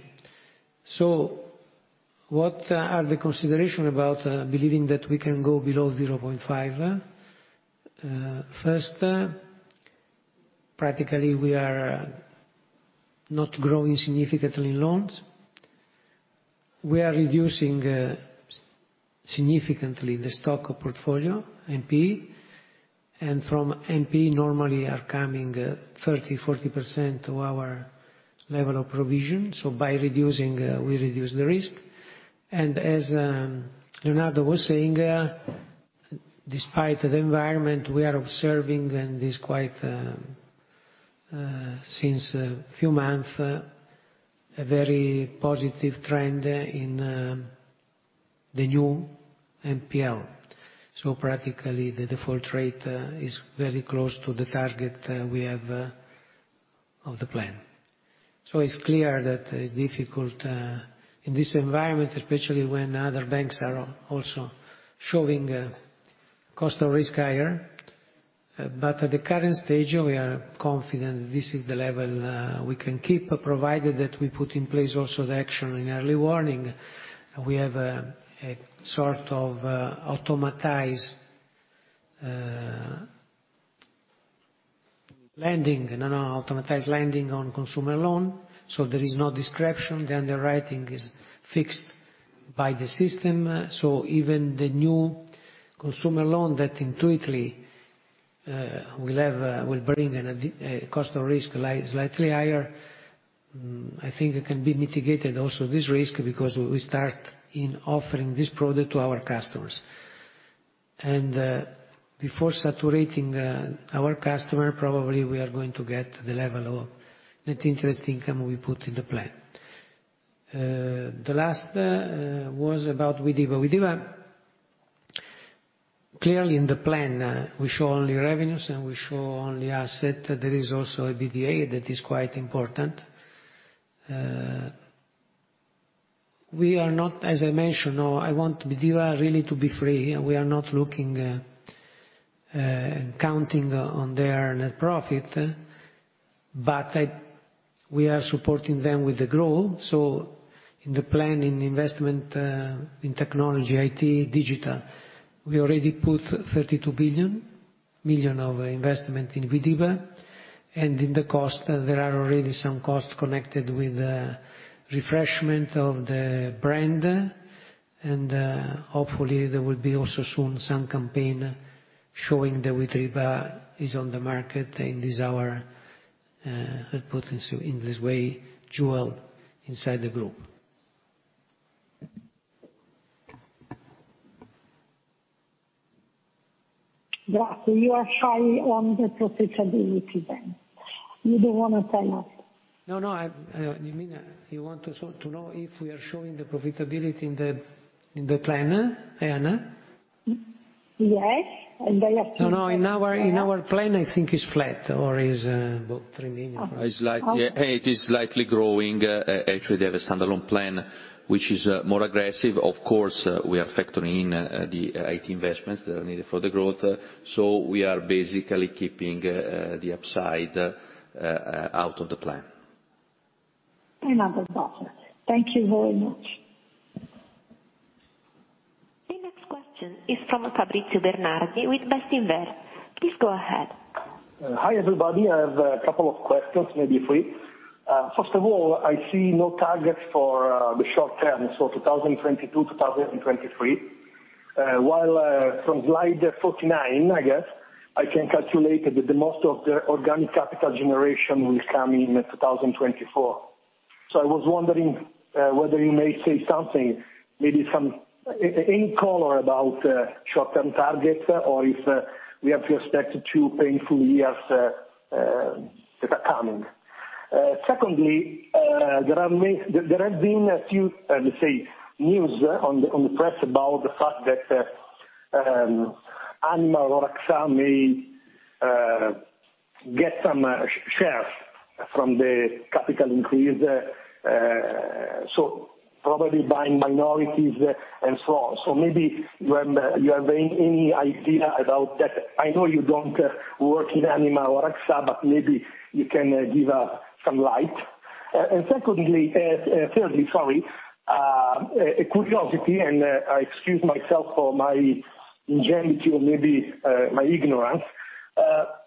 What are the consideration about believing that we can go below 0.5%? First, practically, we are not growing significantly in loans. We are reducing significantly the stock portfolio, NPE. And from NPE normally are coming 30%-40% to our level of provision. By reducing, we reduce the risk. As Leonardo was saying, despite the environment we are observing, and it's quite, since a few months, a very positive trend in the new NPL. Practically, the default rate is very close to the target we have of the plan. It's clear that it's difficult in this environment, especially when other banks are also showing cost of risk higher. At the current stage, we are confident this is the level we can keep, provided that we put in place also the action in early warning. We have a sort of automated lending on consumer loan, so there is no discretion. The underwriting is fixed by the system. Even the new consumer loan that intuitively will bring a cost of risk slightly higher. I think it can be mitigated also this risk, because we start in offering this product to our customers. Before saturating our customer, probably we are going to get the level of net interest income we put in the plan. The last was about Widiba. Widiba, clearly in the plan, we show only revenues and we show only asset. There is also a PDA that is quite important. We are not, as I mentioned, or I want Widiba really to be free. We are not looking counting on their net profit, but we are supporting them with the growth. In the plan, in investment, in technology, IT, digital, we already put 32 million of investment in Widiba. In the cost, there are already some costs connected with refreshment of the brand. Hopefully, there will be also soon some campaign showing that Widiba is on the market and is our, in this way, jewel inside the group. Grazie. You are shy on the profitability then. You don't wanna tell us. No you mean, you want to know if we are showing the profitability in the plan, Anna? Yes, I assume that. No in our plan, I think it's flat or is about 3 million. It's slight- Okay. It is slightly growing. Actually, they have a standalone plan which is more aggressive. Of course, we are factoring in the IT investments that are needed for the growth. We are basically keeping the upside out of the plan. Another, Thank you very much. Hi everybody. I have a couple of questions, maybe three. First of all, I see no targets for the short term, so 2022, 2023. While from slide 49, I guess, I can calculate that the most of the organic capital generation will come in 2024. I was wondering whether you may say something, maybe some color about short-term targets or if we have to expect two painful years that are coming. Secondly, there have been a few, let me say, news in the press about the fact that Anima or AXA may get some shares from the capital increase, so probably by minorities and so on. Maybe you have any idea about that. I know you don't work in Anima or AXA, but maybe you can give some light. Secondly, thirdly, sorry, a curiosity, and I excuse myself for my ingenuity or maybe my ignorance.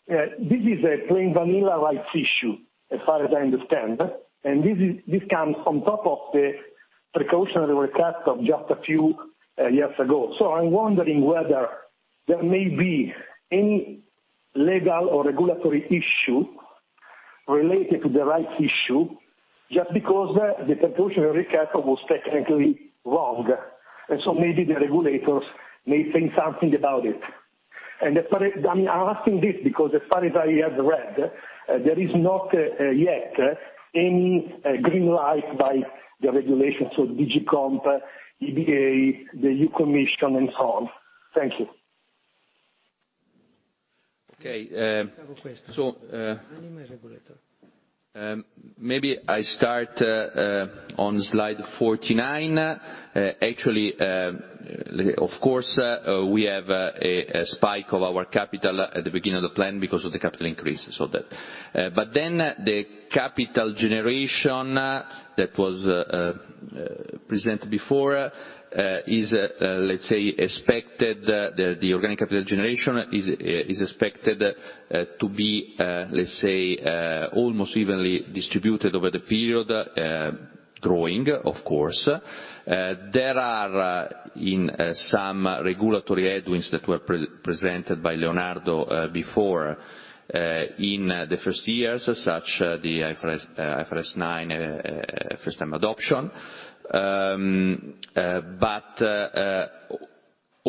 This is a plain vanilla rights issue, as far as I understand. This comes on top of the precautionary recap of just a few years ago. I'm wondering whether there may be any legal or regulatory issue related to the rights issue, just because the precautionary recap was technically wrong. Maybe the regulators may think something about it. As far as... I mean, I'm asking this because as far as I have read, there is not yet any green light by the regulators of DG COMP, EBA, the EU Commission and so on. Thank you. Okay. So, maybe I start on slide 49. Actually, of course, we have a spike of our capital at the beginning of the plan because of the capital increase. That capital generation that was presented before is expected. The organic capital generation is expected to be almost evenly distributed over the period, growing, of course. There are some regulatory headwinds that were presented by Leonardo before in the first years, such as the IFRS 9 first time adoption.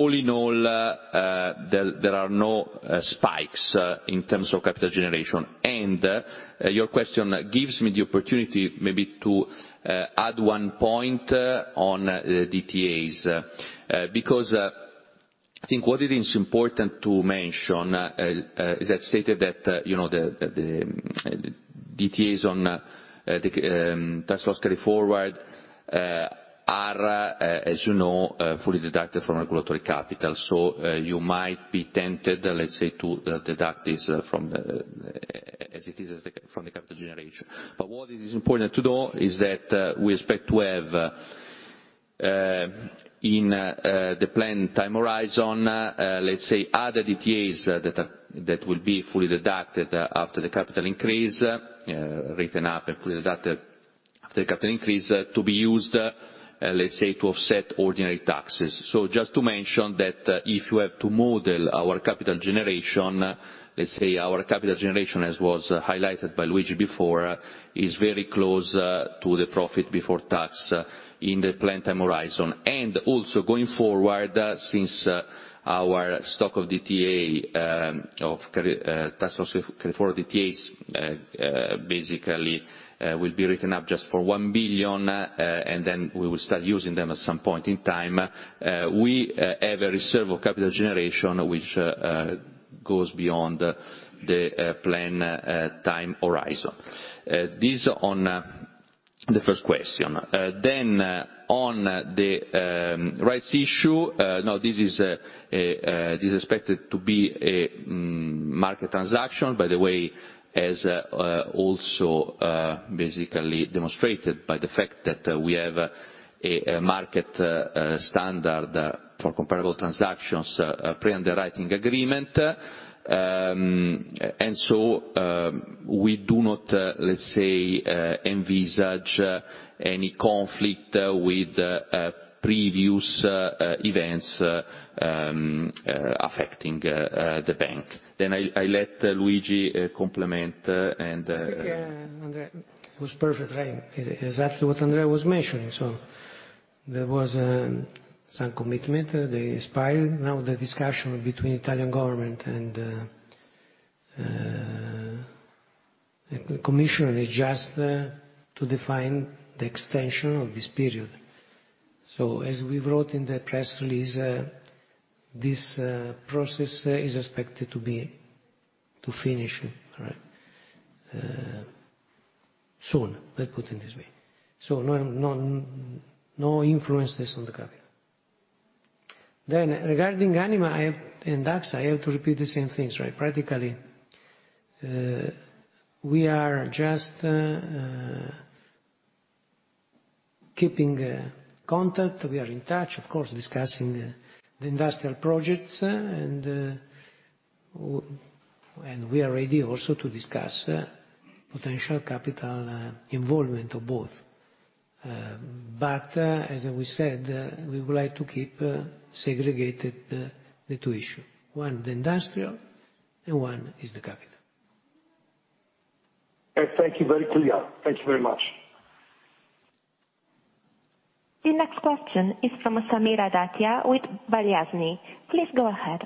All in all, there are no spikes in terms of capital generation. Your question gives me the opportunity maybe to add one point on DTAs. Because I think what it is important to mention is that stated that, you know, the DTAs on the tax loss carry forward are, as you know, fully deducted from regulatory capital. You might be tempted, let's say, to deduct this from the, as it is from the capital generation. What is important to know is that we expect to have in the plan time horizon, let's say, other DTAs that will be fully deducted after the capital increase, written up and fully deducted after the capital increase, to be used, let's say, to offset ordinary taxes. Just to mention that if you have to model our capital generation, as was highlighted by Luigi before, is very close to the profit before tax in the plan time horizon. Also going forward, since our stock of DTA of tax loss carry forward DTAs basically will be written up just for 1 billion and then we will start using them at some point in time. We have a reserve of capital generation which goes beyond the plan time horizon. This on the first question. On the rights issue, this is expected to be a market transaction, by the way, as also basically demonstrated by the fact that we have a market standard pre-underwriting agreement for comparable transactions. We do not, let's say, envisage any conflict with previous events affecting the bank. I let Luigi complement and I think yeah Andrea, it was perfect, right. Exactly what Andrea was mentioning. There was some commitment. They expired. Now the discussion between Italian government and the commission is just to define the extension of this period. As we wrote in the press release, this process is expected to finish soon. Let's put it this way. No influences on the capital. Regarding Anima and AXA, I have to repeat the same things, right. Practically, we are just keeping contact. We are in touch, of course, discussing the industrial projects, and we are ready also to discuss potential capital involvement of both. As we said, we would like to keep segregated the two issue. One, the industrial, and one is the capital. Okay. Thank you very clear. Thank you very much. The next question is from Paola Sabbione with Barclays. Please go ahead.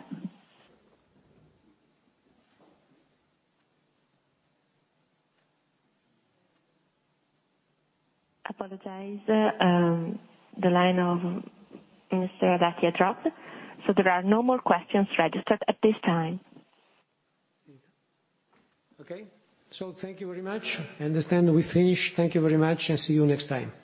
Apologies, the line of Ms. Sabbione dropped, so there are no more questions registered at this time. Okay. Thank you very much. I understand we finish. Thank you very much, and see you next time.